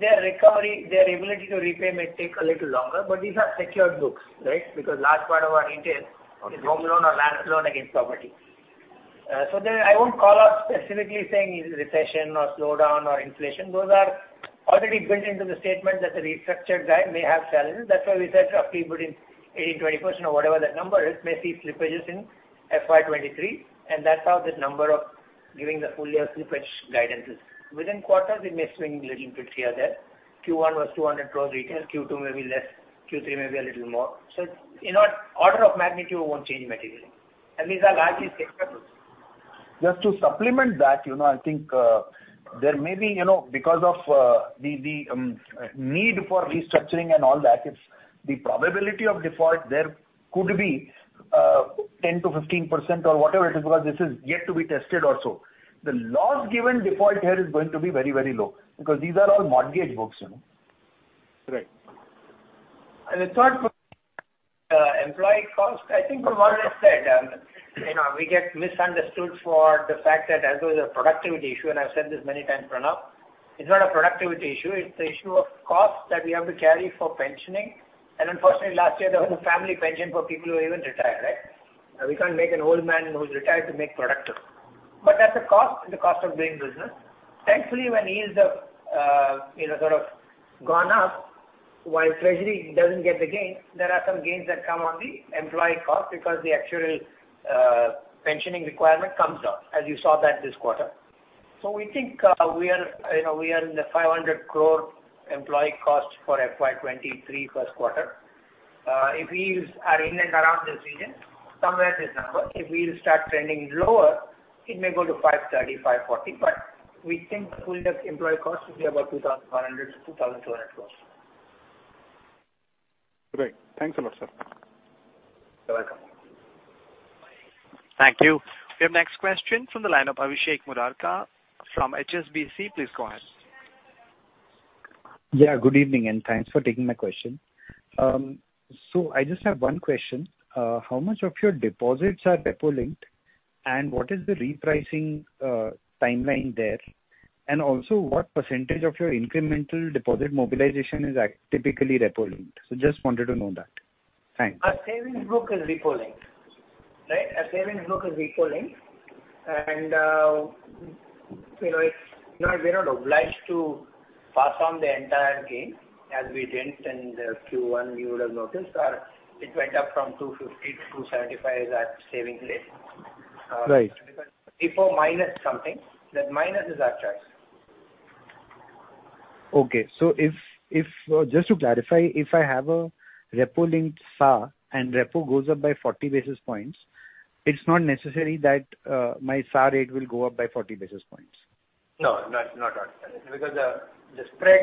their recovery, their ability to repay may take a little longer. These are secured books, right? Because large part of our retail- Okay. is home loan or land loan against property. I won't call out specifically saying it is recession or slowdown or inflation. Those are already built into the statement that the restructured guy may have challenges. That's why we said roughly putting 18%-20% or whatever that number is, may see slippages in FY 2023, and that's how the number of giving the full year slippage guidance is. Within quarters, it may swing a little bit here or there. Q1 was INR 200 crores retail. Q2 may be less. Q3 may be a little more. In our order of magnitude, it won't change materially. These are largely secured books. Just to supplement that, you know, I think there may be, you know, because of the need for restructuring and all that, it's the probability of default there could be 10%-15% or whatever it is because this is yet to be tested also. The loss given default here is going to be very, very low because these are all mortgage books, you know. Right. The third one, employee cost, I think, <inaudible> hang on, we get misunderstood for the fact that as though it's a productivity issue, and I've said this many times, Pranav. It's not a productivity issue. It's the issue of cost that we have to carry for pensioning. Unfortunately, last year there was a family pension for people who even retired, right? Now we can't make an old man who's retired to make productive. That's a cost, the cost of doing business. Thankfully, when yields have, you know, sort of gone up, while treasury doesn't get the gain, there are some gains that come on the employee cost because the actual, pensioning requirement comes down, as you saw that this quarter. We think we are in the 500 crore employee cost for FY 2023 first quarter. If yields are in and around this region, somewhere this number. If yields start trending lower, it may go to 530 crore, 540 crore. We think full year employee cost will be about 2,100 crore-2,200 crore. Great. Thanks a lot, sir. You're welcome. Thank you. We have next question from the line of Abhishek Murarka from HSBC. Please go ahead. Yeah, good evening, and thanks for taking my question. I just have one question. How much of your deposits are repo linked? And what is the repricing timeline there? And also, what percentage of your incremental deposit mobilization is typically repo linked? Just wanted to know that. Thanks. Our savings book is repo linked. Right? You know, it's, you know, we're not obliged to pass on the entire gain as we didn't in the Q1 you would have noticed, or it went up from 2.50% to 2.75% as our savings did. Right. Because repo minus something, that minus is our choice. Okay. If just to clarify, if I have a repo linked SAR and repo goes up by 40 basis points, it's not necessary that my SAR rate will go up by 40 basis points. No. Not at all. Because the spread.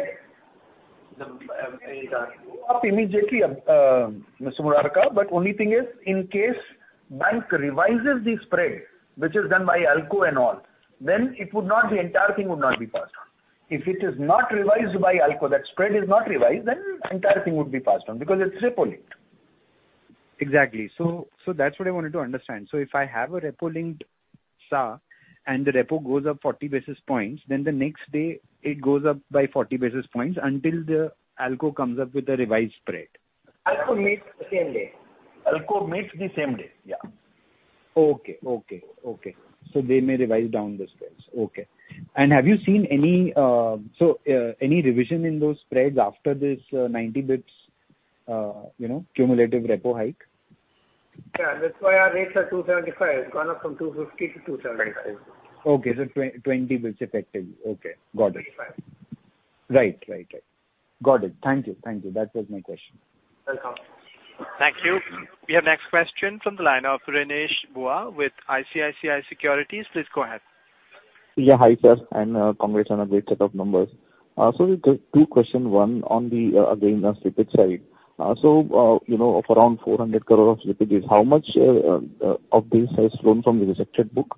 It won't go up immediately, Mr. Murarka, but only thing is in case bank revises the spread, which is done by ALCO and all, then it would not, the entire thing would not be passed on. If it is not revised by ALCO, that spread is not revised, then entire thing would be passed on because it's repo linked. Exactly. That's what I wanted to understand. If I have a repo linked SAR and the repo goes up 40 basis points, then the next day it goes up by 40 basis points until the ALCO comes up with a revised spread. ALCO meets the same day. ALCO meets the same day. Yeah. Okay. They may revise down the spreads. Okay. Have you seen any revision in those spreads after this 90 basis points, you know, cumulative repo hike? Yeah. That's why our rates are 2.75%. It's gone up from 2.50%-2.75%. Okay. 20 basis points effective. Okay. Got it. Twenty-five. Right. Got it. Thank you. That was my question. Welcome. Thank you. We have next question from the line of Renish Bhuva with ICICI Securities. Please go ahead. Yeah. Hi, sir, and congrats on a great set of numbers. Just two questions. One, on the, again, on slippage side. You know, of around 400 crore of slippage, how much of this is from the rejected book?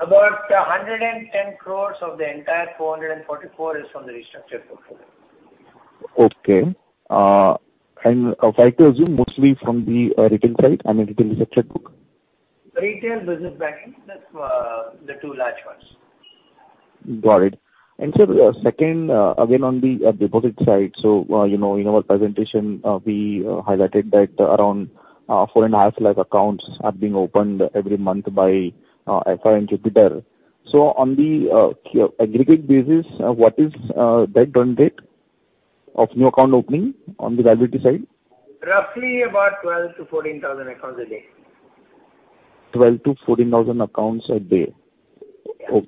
About 110 crore of the entire 444 crore is from the restructured book. Okay. If I to assume mostly from the retail side, I mean, retail rejected book. Retail business banking, that's the two large ones. Got it. Sir, second, again, on the deposit side. You know, in our presentation, we highlighted that around 4.5 accounts are being opened every month by FI and Jupiter. On the aggregate basis, what is that run rate of new account opening on the liability side? Roughly about 12,000-14,000 accounts a day. 12,000-14,000 accounts a day. Yeah.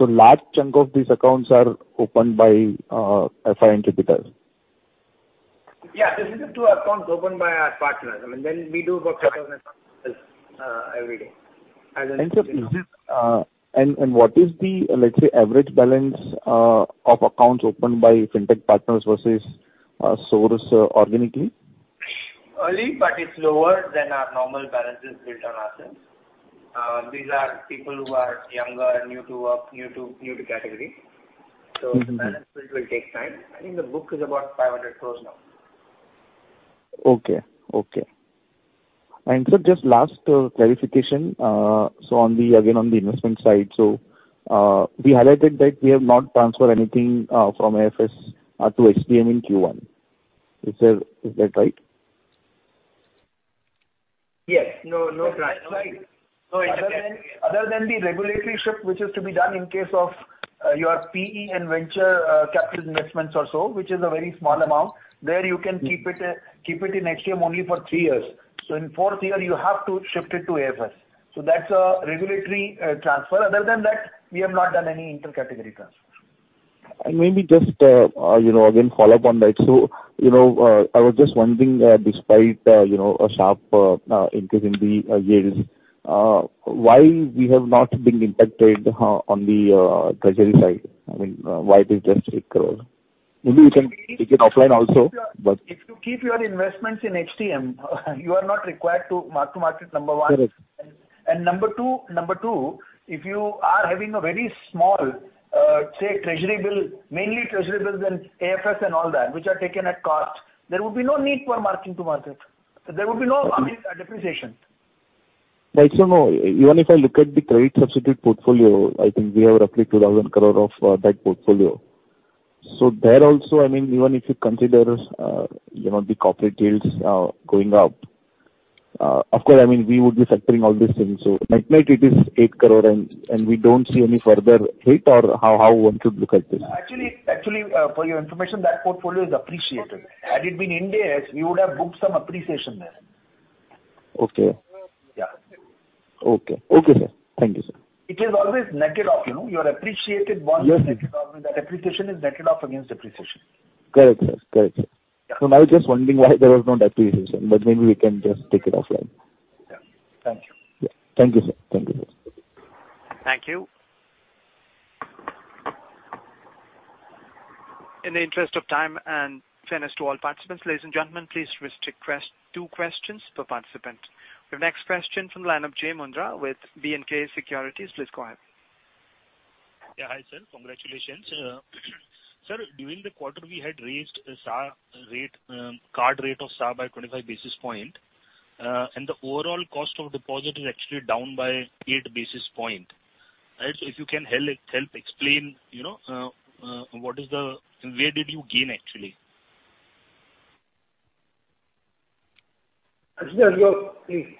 Large chunk of these accounts are opened by FI and Jupiter. Yeah. This is the two accounts opened by our partners. I mean, we do about seven accounts every day as and when. What is the, let's say, average balance of accounts opened by fintech partners versus sourced organically? Early, but it's lower than our normal balances built on ourselves. These are people who are younger and new to work, new to category. Mm-hmm. The balance build will take time. I think the book is about INR 500 crore now. Sir, just last clarification on the investment side. We highlighted that we have not transferred anything from AFS to HTM in Q1. Is that right? Yes. No, no transfer. Other than the regulatory shift which is to be done in case of your PE and venture capital investments or so, which is a very small amount. There you can keep it in HTM only for three years. In fourth year you have to shift it to AFS. That's a regulatory transfer. Other than that, we have not done any inter-category transfer. Maybe just, you know, again, follow up on that. You know, I was just wondering, despite you know a sharp increase in the yields, why we have not been impacted on the treasury side? I mean, why it is just 8 crore? Maybe we can take it offline also. If you keep your investments in HTM, you are not required to mark to market, number one. Correct. Number two, if you are having a very small, say, treasury bill, mainly treasury bills and AFS and all that, which are taken at cost, there would be no need for marking to market. There would be no, I mean, depreciation. No. Even if I look at the trade substitute portfolio, I think we have roughly 2,000 crore of that portfolio. There also, I mean, even if you consider, you know, the corporate deals going up, of course, I mean, we would be factoring all these things. Net-net it is 8 crore and we don't see any further hit or how one should look at this? Actually, for your information, that portfolio is appreciated. Had it been NDS, we would have booked some appreciation there. Okay. Yeah. Okay. Okay, sir. Thank you, sir. It is always netted off, you know. Your appreciated bonds. Yes. is netted off. I mean, the depreciation is netted off against depreciation. Correct, sir. Yeah. Now I'm just wondering why there was no depreciation, but maybe we can just take it offline. Yeah. Thank you. Yeah. Thank you, sir. Thank you, sir. Thank you. In the interest of time and fairness to all participants, ladies and gentlemen, please restrict two questions per participant. The next question from the line of Jai Mundra with B&K Securities. Please go ahead. Yeah, hi, sir. Congratulations. Sir, during the quarter, we had raised the CASA rate, card rate of CASA by 25 basis points. The overall cost of deposit is actually down by 8 basis points. Right. If you can help explain, you know, what is the where did you gain actually? Ashutosh, your please.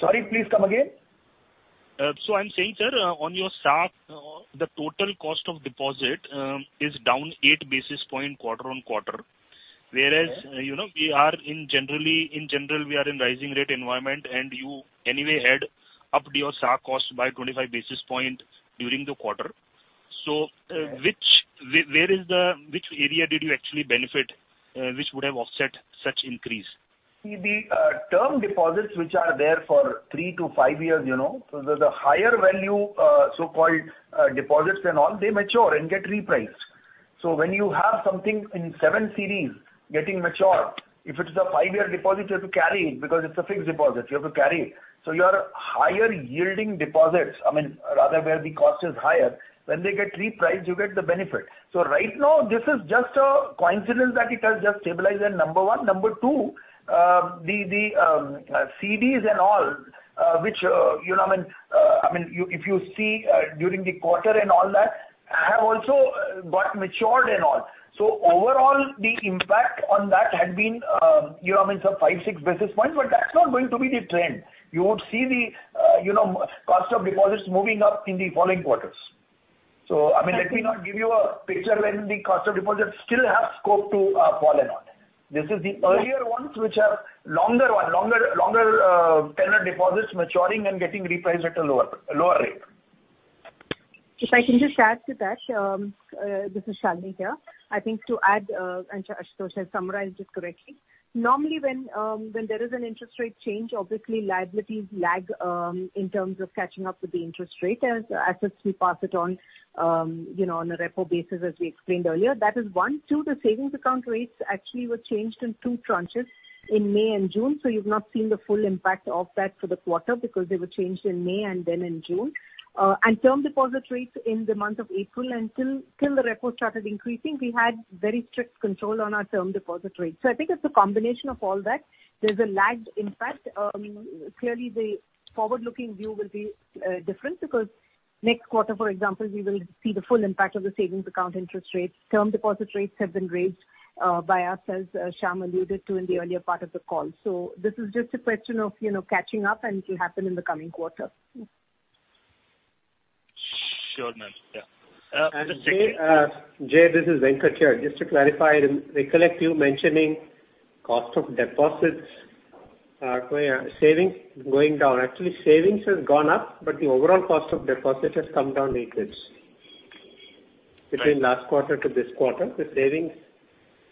Sorry. Please come again. I'm saying, sir, on your SAR, the total cost of deposit is down 8 basis points quarter-on-quarter. Whereas- Yeah. You know, we are in rising rate environment, and you anyway had upped your CASA cost by 25 basis points during the quarter. Yes. Which area did you actually benefit, which would have offset such increase? See the term deposits which are there for three-five years, you know. The higher value so-called deposits and all, they mature and get repriced. When you have something in seven CDs getting mature, if it's a five-year deposit, you have to carry it because it's a fixed deposit. You have to carry it. Your higher yielding deposits, I mean, rather where the cost is higher, when they get repriced, you get the benefit. Right now this is just a coincidence that it has just stabilized there, number one. Number two, the CDs and all, which you know what I mean, I mean, if you see during the quarter and all that, have also got matured and all. Overall, the impact on that had been, you know, I mean, some five basis points, six basis points, but that's not going to be the trend. You would see the, you know, cost of deposits moving up in the following quarters. I mean, let me not give you a picture when the cost of deposits still have scope to, fall and all. This is the earlier ones which are longer tenure deposits maturing and getting repriced at a lower rate. If I can just add to that. This is Shali. I think to add, and Ashutosh Khajuria has summarized it correctly. Normally when there is an interest rate change, obviously liabilities lag in terms of catching up with the interest rate as we pass it on, you know, on a repo basis as we explained earlier. That is one. Two, the Savings Account rates actually were changed in two tranches in May and June. You've not seen the full impact of that for the quarter because they were changed in May and then in June. Term deposit rates in the month of April, until the repo started increasing, we had very strict control on our term deposit rate. I think it's a combination of all that. There's a lagged impact. Clearly the forward-looking view will be different because next quarter, for example, we will see the full impact of the savings account interest rates. Term deposit rates have been raised by us as Shyam alluded to in the earlier part of the call. This is just a question of, you know, catching up and it will happen in the coming quarter. Sure, ma'am. Yeah. Jai, this is Venkat here. Just to clarify, I recollect you mentioning cost of deposits, savings going down. Actually, savings has gone up, but the overall cost of deposit has come down 8 basis points. Right. Between last quarter to this quarter, the savings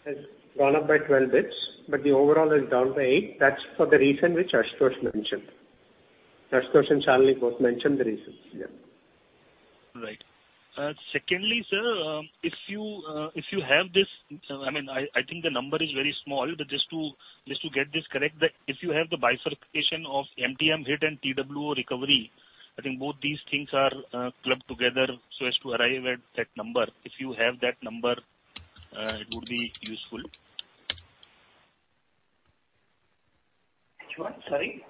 has gone up by 12 basis points, but the overall is down by eight. That's for the reason which Ashutosh mentioned. Ashutosh and Shali both mentioned the reasons. Yeah. Right. Secondly, sir, if you have this, I mean, I think the number is very small, but just to get this correct, that if you have the bifurcation of MTM hit and TWO recovery, I think both these things are clubbed together so as to arrive at that number. If you have that number, it would be useful. Which one? Sorry?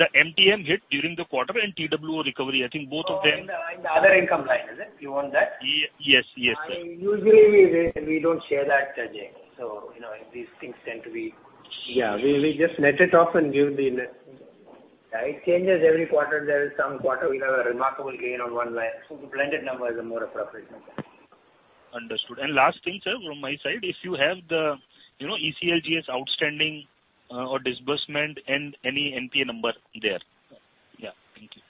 The MTM hit during the quarter and TWO recovery. I think both of them. Oh, in the other income line, is it? You want that? Yes. Yes, sir. I mean, usually we don't share that, Jai. You know, these things tend to be Yeah. We just net it off and give the net. Yeah, it changes every quarter. There is some quarter we have a remarkable gain on one line. The blended number is a more appropriate number. Understood. Last thing, sir, from my side, if you have the, you know, ECLGS outstanding, or disbursement and any NPA number there. Yeah. Thank you.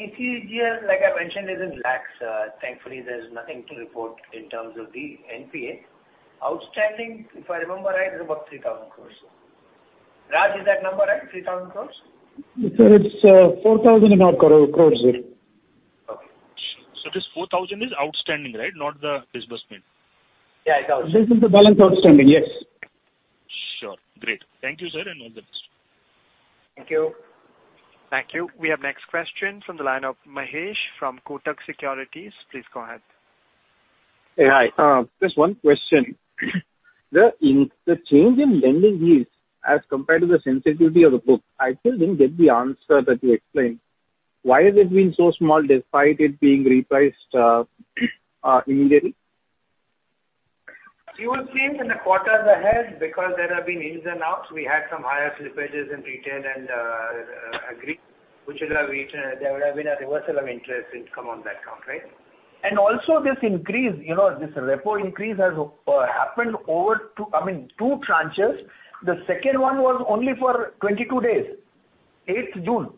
ECLG, like I mentioned, is in lakhs. Thankfully there's nothing to report in terms of the NPA. Outstanding, if I remember right, is about 3,000 crores. Raj, is that number right? 3,000 crores? Sir, it's 4,000 and odd crores, sir. This 4,000 is outstanding, right? Not the disbursement. Yeah, outstanding. This is the balance outstanding, yes. Sure. Great. Thank you, sir, and all the best. Thank you. Thank you. We have next question from the line of Mahesh from Kotak Securities. Please go ahead. Hey. Hi. Just one question. The change in lending yields as compared to the sensitivity of the book. I still didn't get the answer that you explained. Why has it been so small despite it being repriced immediately? You will see it in the quarters ahead because there have been ins and outs. We had some higher slippages in retail and agri, which is a reason there would have been a reversal of interest income on that account, right? Also this increase, you know, this repo increase has happened over two, I mean, two tranches. The second one was only for 22 days, 8th June,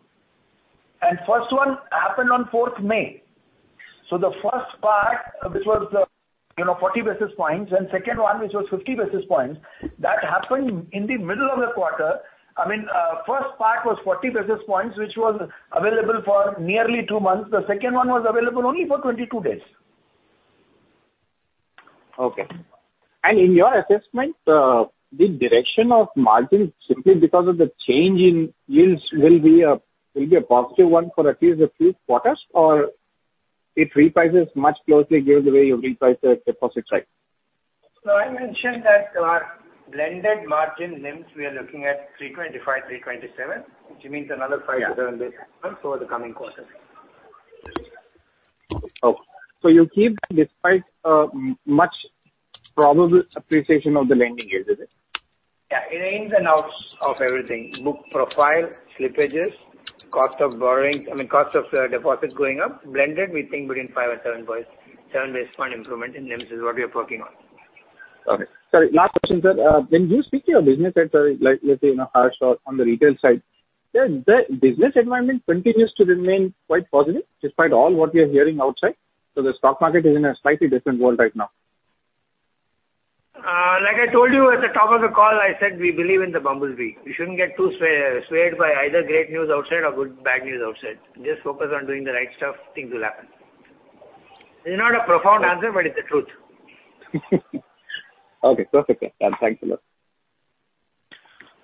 and first one happened on 4th May. The first part, which was the, you know, 40 basis points and second one, which was 50 basis points, that happened in the middle of the quarter. I mean, first part was 40 basis points, which was available for nearly two months. The second one was available only for 22 days. Okay. In your assessment, the direction of margin simply because of the change in yields will be a positive one for at least a few quarters or it reprices much more closely given the way you reprice the deposits, right? I mentioned that our blended margin NIMs, we are looking at 3.25%-3.27%, which means another five-seven basis points over the coming quarters. Oh, you keep despite much probable appreciation of the lending yields, is it? Yeah. In ins and outs of everything, book profile, slippages, cost of borrowing, I mean, cost of deposits going up, blended, we think between five basis points and seven basis points. Seven basis points improvement in NIMs is what we are working on. Okay. Sorry, last question, sir. When you speak to your business heads, like, let's say in Harsh or on the retail side, the business environment continues to remain quite positive despite all what we are hearing outside. The stock market is in a slightly different world right now. Like I told you at the top of the call, I said, we believe in the bumblebee. We shouldn't get too swayed by either great news outside or good, bad news outside. Just focus on doing the right stuff, things will happen. It's not a profound answer, but it's the truth. Okay. Perfect. Yeah. Thanks a lot.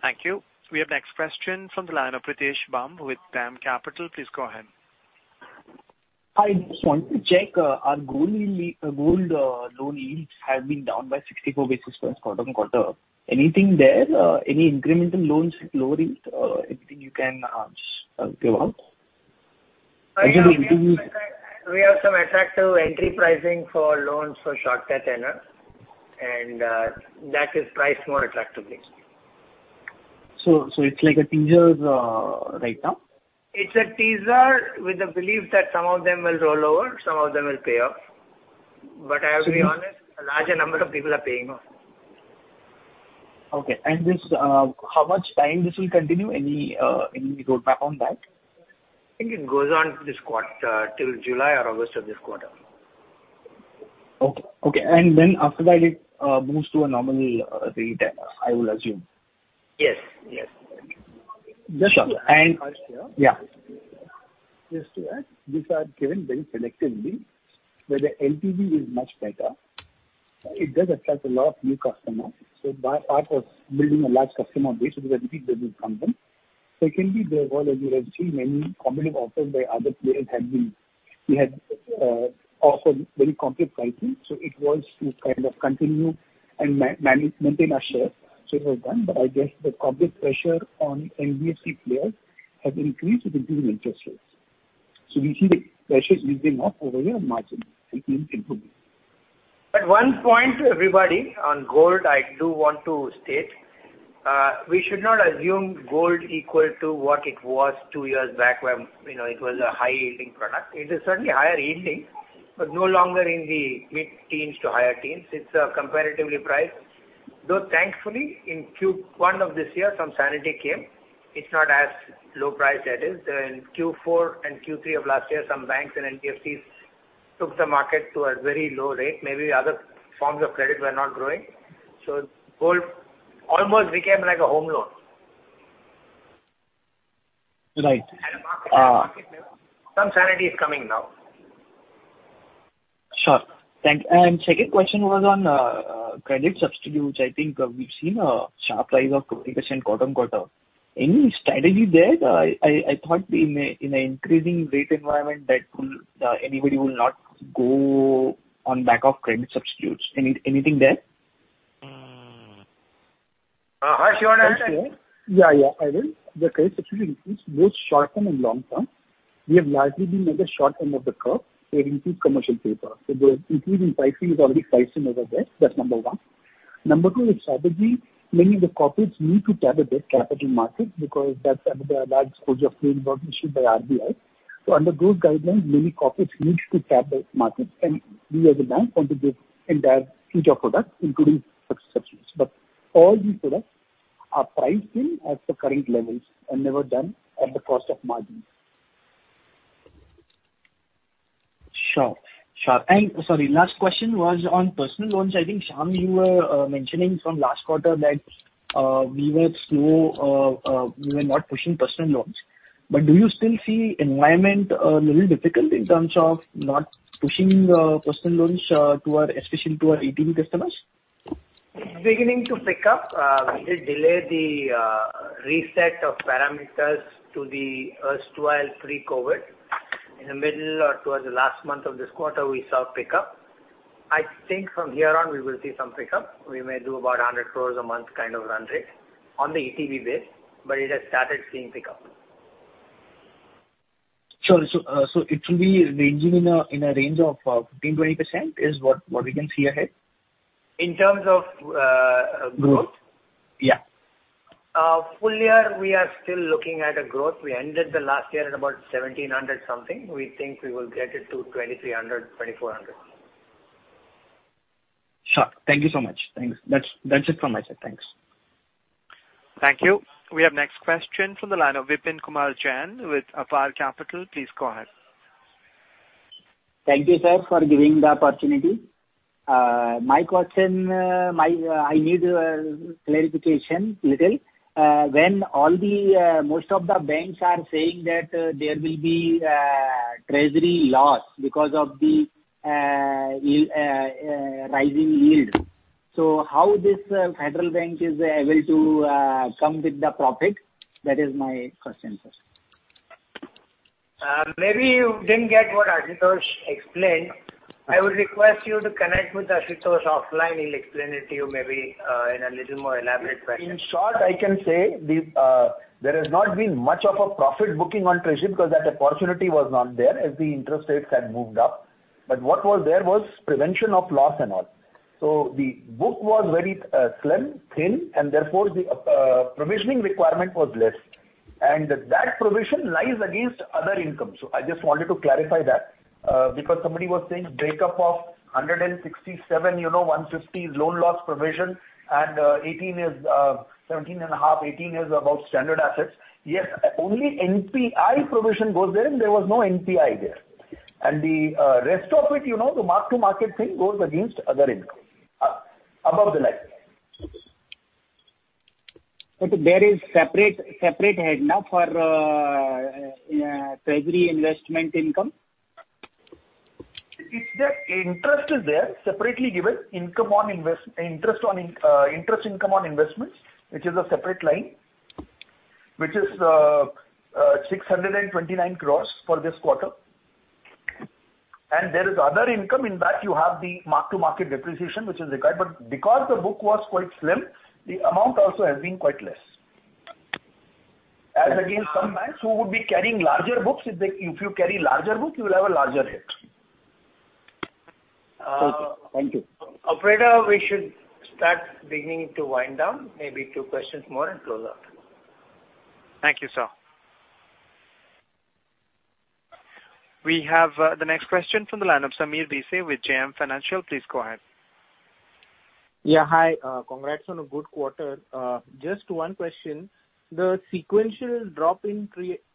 Thank you. We have next question from the line of Pritesh Bumb with DAM Capital. Please go ahead. I just want to check, our gold loan yields have been down by 64 basis points quarter-on-quarter. Anything there? Any incremental loans with low yields, anything you can give out? We have some attractive entry pricing for loans for shorter tenor and, that is priced more attractively. It's like a teaser, right now? It's a teaser with the belief that some of them will roll over, some of them will pay off. I have to be honest, a larger number of people are paying off. Okay. This, how much time this will continue? Any roadmap on that? I think it goes on this quarter till July or August of this quarter. Okay. After that it moves to a normal rate, I will assume. Yes. Yes. Just- Harsh here. Yeah. Just to add, these are given very selectively, where the LTV is much better. It does attract a lot of new customers. That part was building a large customer base because it is a new business for them. Secondly, there was, as you have seen, many competitive offers by other players have been. We had offered very competitive pricing, so it was to kind of continue and maintain our share. It was one, but I guess the competitive pressure on NBFC players has increased with the increase in interest rates. We see the pressures easing off over here on margin. It will improve. One point to everybody on gold, I do want to state, we should not assume gold equal to what it was two years back when, you know, it was a high-yielding product. It is certainly higher yielding, but no longer in the mid-teens to higher teens. It's comparatively priced. Though thankfully, in Q1 of this year, some sanity came. It's not as low priced that is. In Q4 and Q3 of last year, some banks and NBFCs took the market to a very low rate. Maybe other forms of credit were not growing. Gold almost became like a home loan. Right. Some sanity is coming now. Sure. Thank you. Second question was on credit substitute, which I think we've seen a sharp rise of 20% quarter-on-quarter. Any strategy there? I thought in an increasing rate environment that anybody will not go on back of credit substitutes. Anything there? Harsh, you wanna answer? Yeah. Yeah. I will. The credit substitutes increase both short-term and long-term. We have largely been at the short end of the curve. We have increased commercial paper. The increase in pricing is already priced in over there. That's number one. Number two is strategy. Many of the corporates need to tap the debt capital market because that's under the large exposures framework issued by RBI. Under those guidelines, many corporates need to tap those markets, and we as a bank want to give entire suite of products, including such substitutes. All these products are priced in at the current levels and never done at the cost of margins. Sure. Sorry, last question was on personal loans. I think, Shyam, you were mentioning from last quarter that we were slow. We were not pushing personal loans. Do you still see environment a little difficult in terms of not pushing personal loans to our, especially to our ETB customers? It's beginning to pick up. We did delay the reset of parameters to the erstwhile pre-COVID. In the middle or towards the last month of this quarter, we saw pick up. I think from here on we will see some pick up. We may do about 100 crore a month kind of run rate on the ETB base, but it has started seeing pick up. Sure. It will be ranging in a range of 15%-20% is what we can see ahead? In terms of growth? Mm-hmm. Yeah. Full year, we are still looking at a growth. We ended the last year at about 1,700 something. We think we will get it to 2,300-2,400. Sure. Thank you so much. Thanks. That's it from my side. Thanks. Thank you. We have next question from the line of <inaudible> Kunal Jain with Alpha Capital. Please go ahead. Thank you, sir, for giving the opportunity. My question, I need clarification little. When most of the banks are saying that there will be treasury loss because of the rising yield. How this Federal Bank is able to come with the profit? That is my question, sir. Maybe you didn't get what Ashutosh explained. I would request you to connect with Ashutosh offline. He'll explain it to you maybe, in a little more elaborate fashion. In short, I can say there has not been much of a profit booking on treasury because that opportunity was not there as the interest rates had moved up. What was there was prevention of loss and all. The book was very slim, thin, and therefore the provisioning requirement was less. That provision lies against other income. I just wanted to clarify that because somebody was saying breakup of 167, you know, 150 loan loss provision and 18 is 17.5, 18 is about standard assets. Yes, only NPA provision goes there, and there was no NPA there. The rest of it, you know, the mark-to-market thing goes against other income above the line. There is separate head now for treasury investment income. It's there. Interest is there separately given. Interest income on investments, which is a separate line, which is 629 crore for this quarter. There is other income. In that, you have the mark-to-market depreciation, which is required. Because the book was quite slim, the amount also has been quite less. As against some banks who would be carrying larger books, if they, if you carry larger books, you will have a larger hit. Okay. Thank you. Operator, we should start beginning to wind down. Maybe two questions more and close out. Thank you, sir. We have the next question from the line of Sameer Bhise with JM Financial. Please go ahead. Yeah. Hi. Congrats on a good quarter. Just one question. The sequential drop in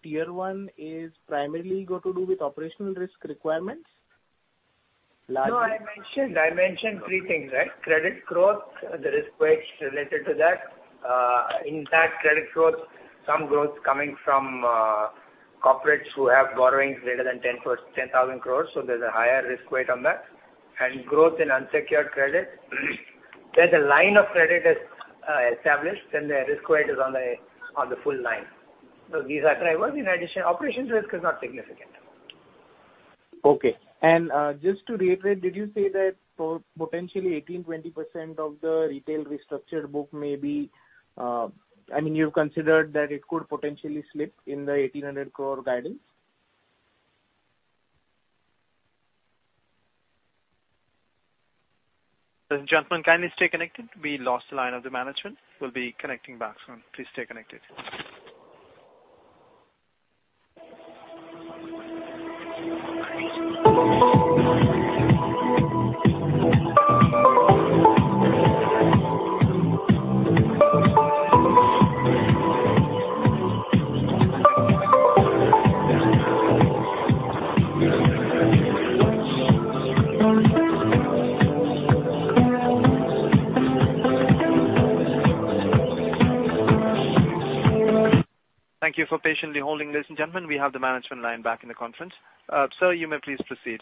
tier one is primarily got to do with operational risk requirements? No, I mentioned three things, right? Credit growth, the risk weight related to that. In that credit growth, some growth coming from corporates who have borrowings greater than 10,000 crore, so there's a higher risk weight on that. Growth in unsecured credit. There's a line of credit is established, then the risk weight is on the full line. These are drivers. In addition, operational risk is not significant. Okay. Just to reiterate, did you say that potentially 18%-20% of the retail restructured book may be, I mean, you've considered that it could potentially slip in the 1,800 crore guidance? Ladies and gentlemen, kindly stay connected. We lost the line of the management. We'll be connecting back soon. Please stay connected. Thank you for patiently holding, ladies and gentlemen. We have the management line back in the conference. Sir, you may please proceed.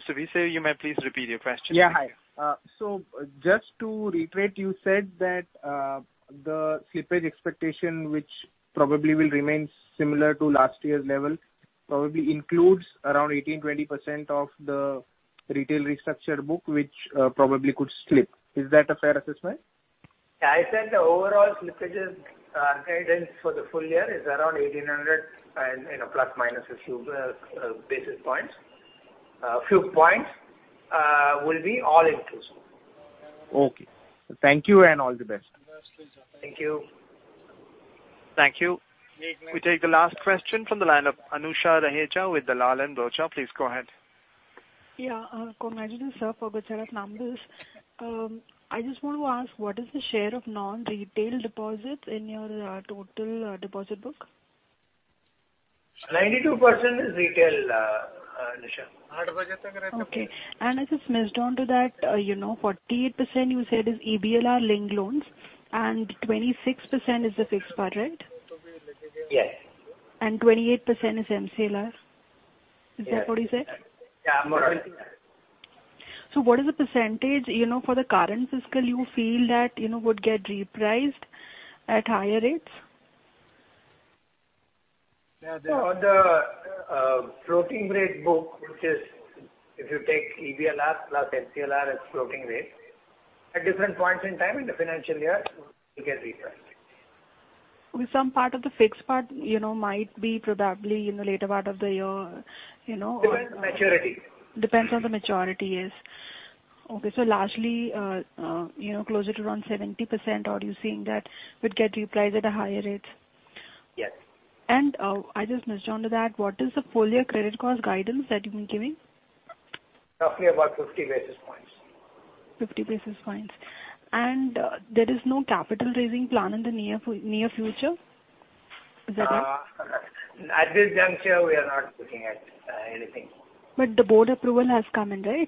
Mr. Bhise, you may please repeat your question. Yeah. Hi. Just to reiterate, you said that the slippage expectation, which probably will remain similar to last year's level, probably includes around 18%-20% of the retail restructure book, which probably could slip. Is that a fair assessment? I said the overall slippages guidance for the full year is around 1800 and, you know, plus minus a few basis points. A few points will be all inclusive. Okay. Thank you, and all the best. Thank you. Thank you. We take the last question from the line of Anusha Raheja with the Dalal & Broacha. Please go ahead. Yeah. Congratulations, sir, for a good set of numbers. I just want to ask, what is the share of non-retail deposits in your total deposit book? 92% is retail, Anusha Raheja. Okay. I just move on to that, you know, 48% you said is EBLR linked loans and 26% is the fixed part, right? Yes. 28% is MCLR. Yes. Is that what you said? Yeah, more or less. What is the percentage, you know, for the current fiscal you feel that, you know, would get repriced at higher rates? Yeah. The floating rate book, which is if you take EBLR plus MCLR as floating rate at different points in time in the financial year will get repriced. Will some part of the fixed part, you know, might be probably in the later part of the year, you know? Depends on maturity. Depends on the maturity, yes. Okay. So largely, you know, closer to around 70% are you seeing that would get repriced at a higher rate? Yes. I just move on to that. What is the full year credit cost guidance that you've been giving? Roughly about 50 basis points. 50 basis points. There is no capital raising plan in the near future. Is that it? At this juncture we are not looking at anything. The board approval has come in, right?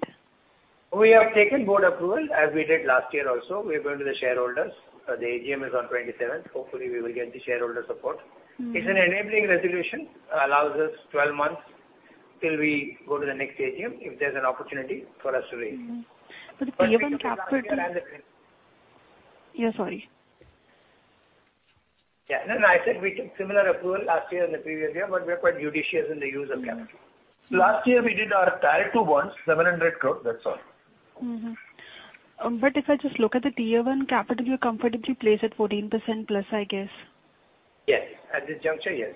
We have taken board approval as we did last year also. We're going to the shareholders. The AGM is on 27th. Hopefully we will get the shareholder support. Mm-hmm. It's an enabling resolution, allows us 12 months till we go to the next AGM if there's an opportunity for us to raise. Yeah, sorry. Yeah. No, no. I said we took similar approval last year and the previous year, but we are quite judicious in the use of capital. Mm-hmm. Last year we did our priority bonds, 700 crore, that's all. If I just look at the Tier one capital, you're comfortably placed at 14%+, I guess. Yes. At this juncture, yes.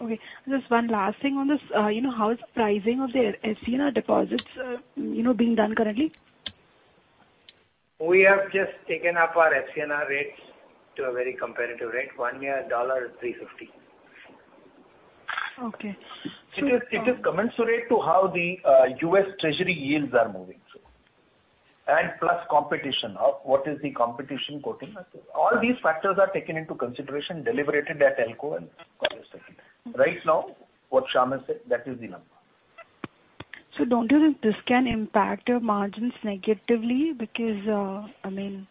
Okay. Just one last thing on this. You know, how is the pricing of the FCNR deposits, you know, being done currently? We have just taken up our FCNR rates to a very competitive rate, one-year $ 3.50. Okay. It is commensurate to how the U.S. Treasury yields are moving. Plus competition of what is the competition quoting. All these factors are taken into consideration, deliberated at ALCO and Mm-hmm. Right now what Shyam has said, that is the number. Don't you think this can impact your margins negatively? Because, I mean.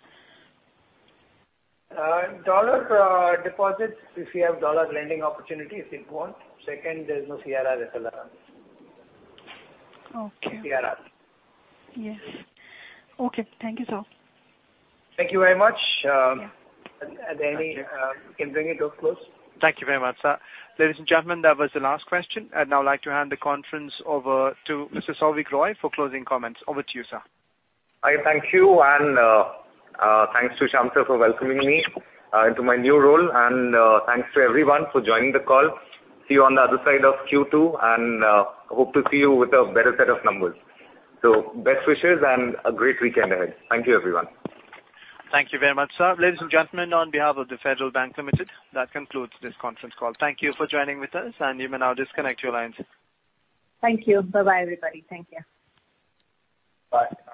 Dollar deposits, if we have dollar lending opportunities, it won't. Second, there's no CRR, SLR. Okay. CRRs. Yes. Okay. Thank you, sir. Thank you very much. We can bring it to a close. Thank you very much, sir. Ladies and gentlemen, that was the last question. I'd now like to hand the conference over to Mr. Souvik Roy for closing comments. Over to you, sir. I thank you, and, thanks to Shyam for welcoming me into my new role. Thanks to everyone for joining the call. See you on the other side of Q2, and hope to see you with a better set of numbers. Best wishes and a great weekend ahead. Thank you, everyone. Thank you very much, sir. Ladies and gentlemen, on behalf of The Federal Bank Limited, that concludes this conference call. Thank you for joining with us, and you may now disconnect your lines. Thank you. Bye-bye, everybody. Thank you. Bye.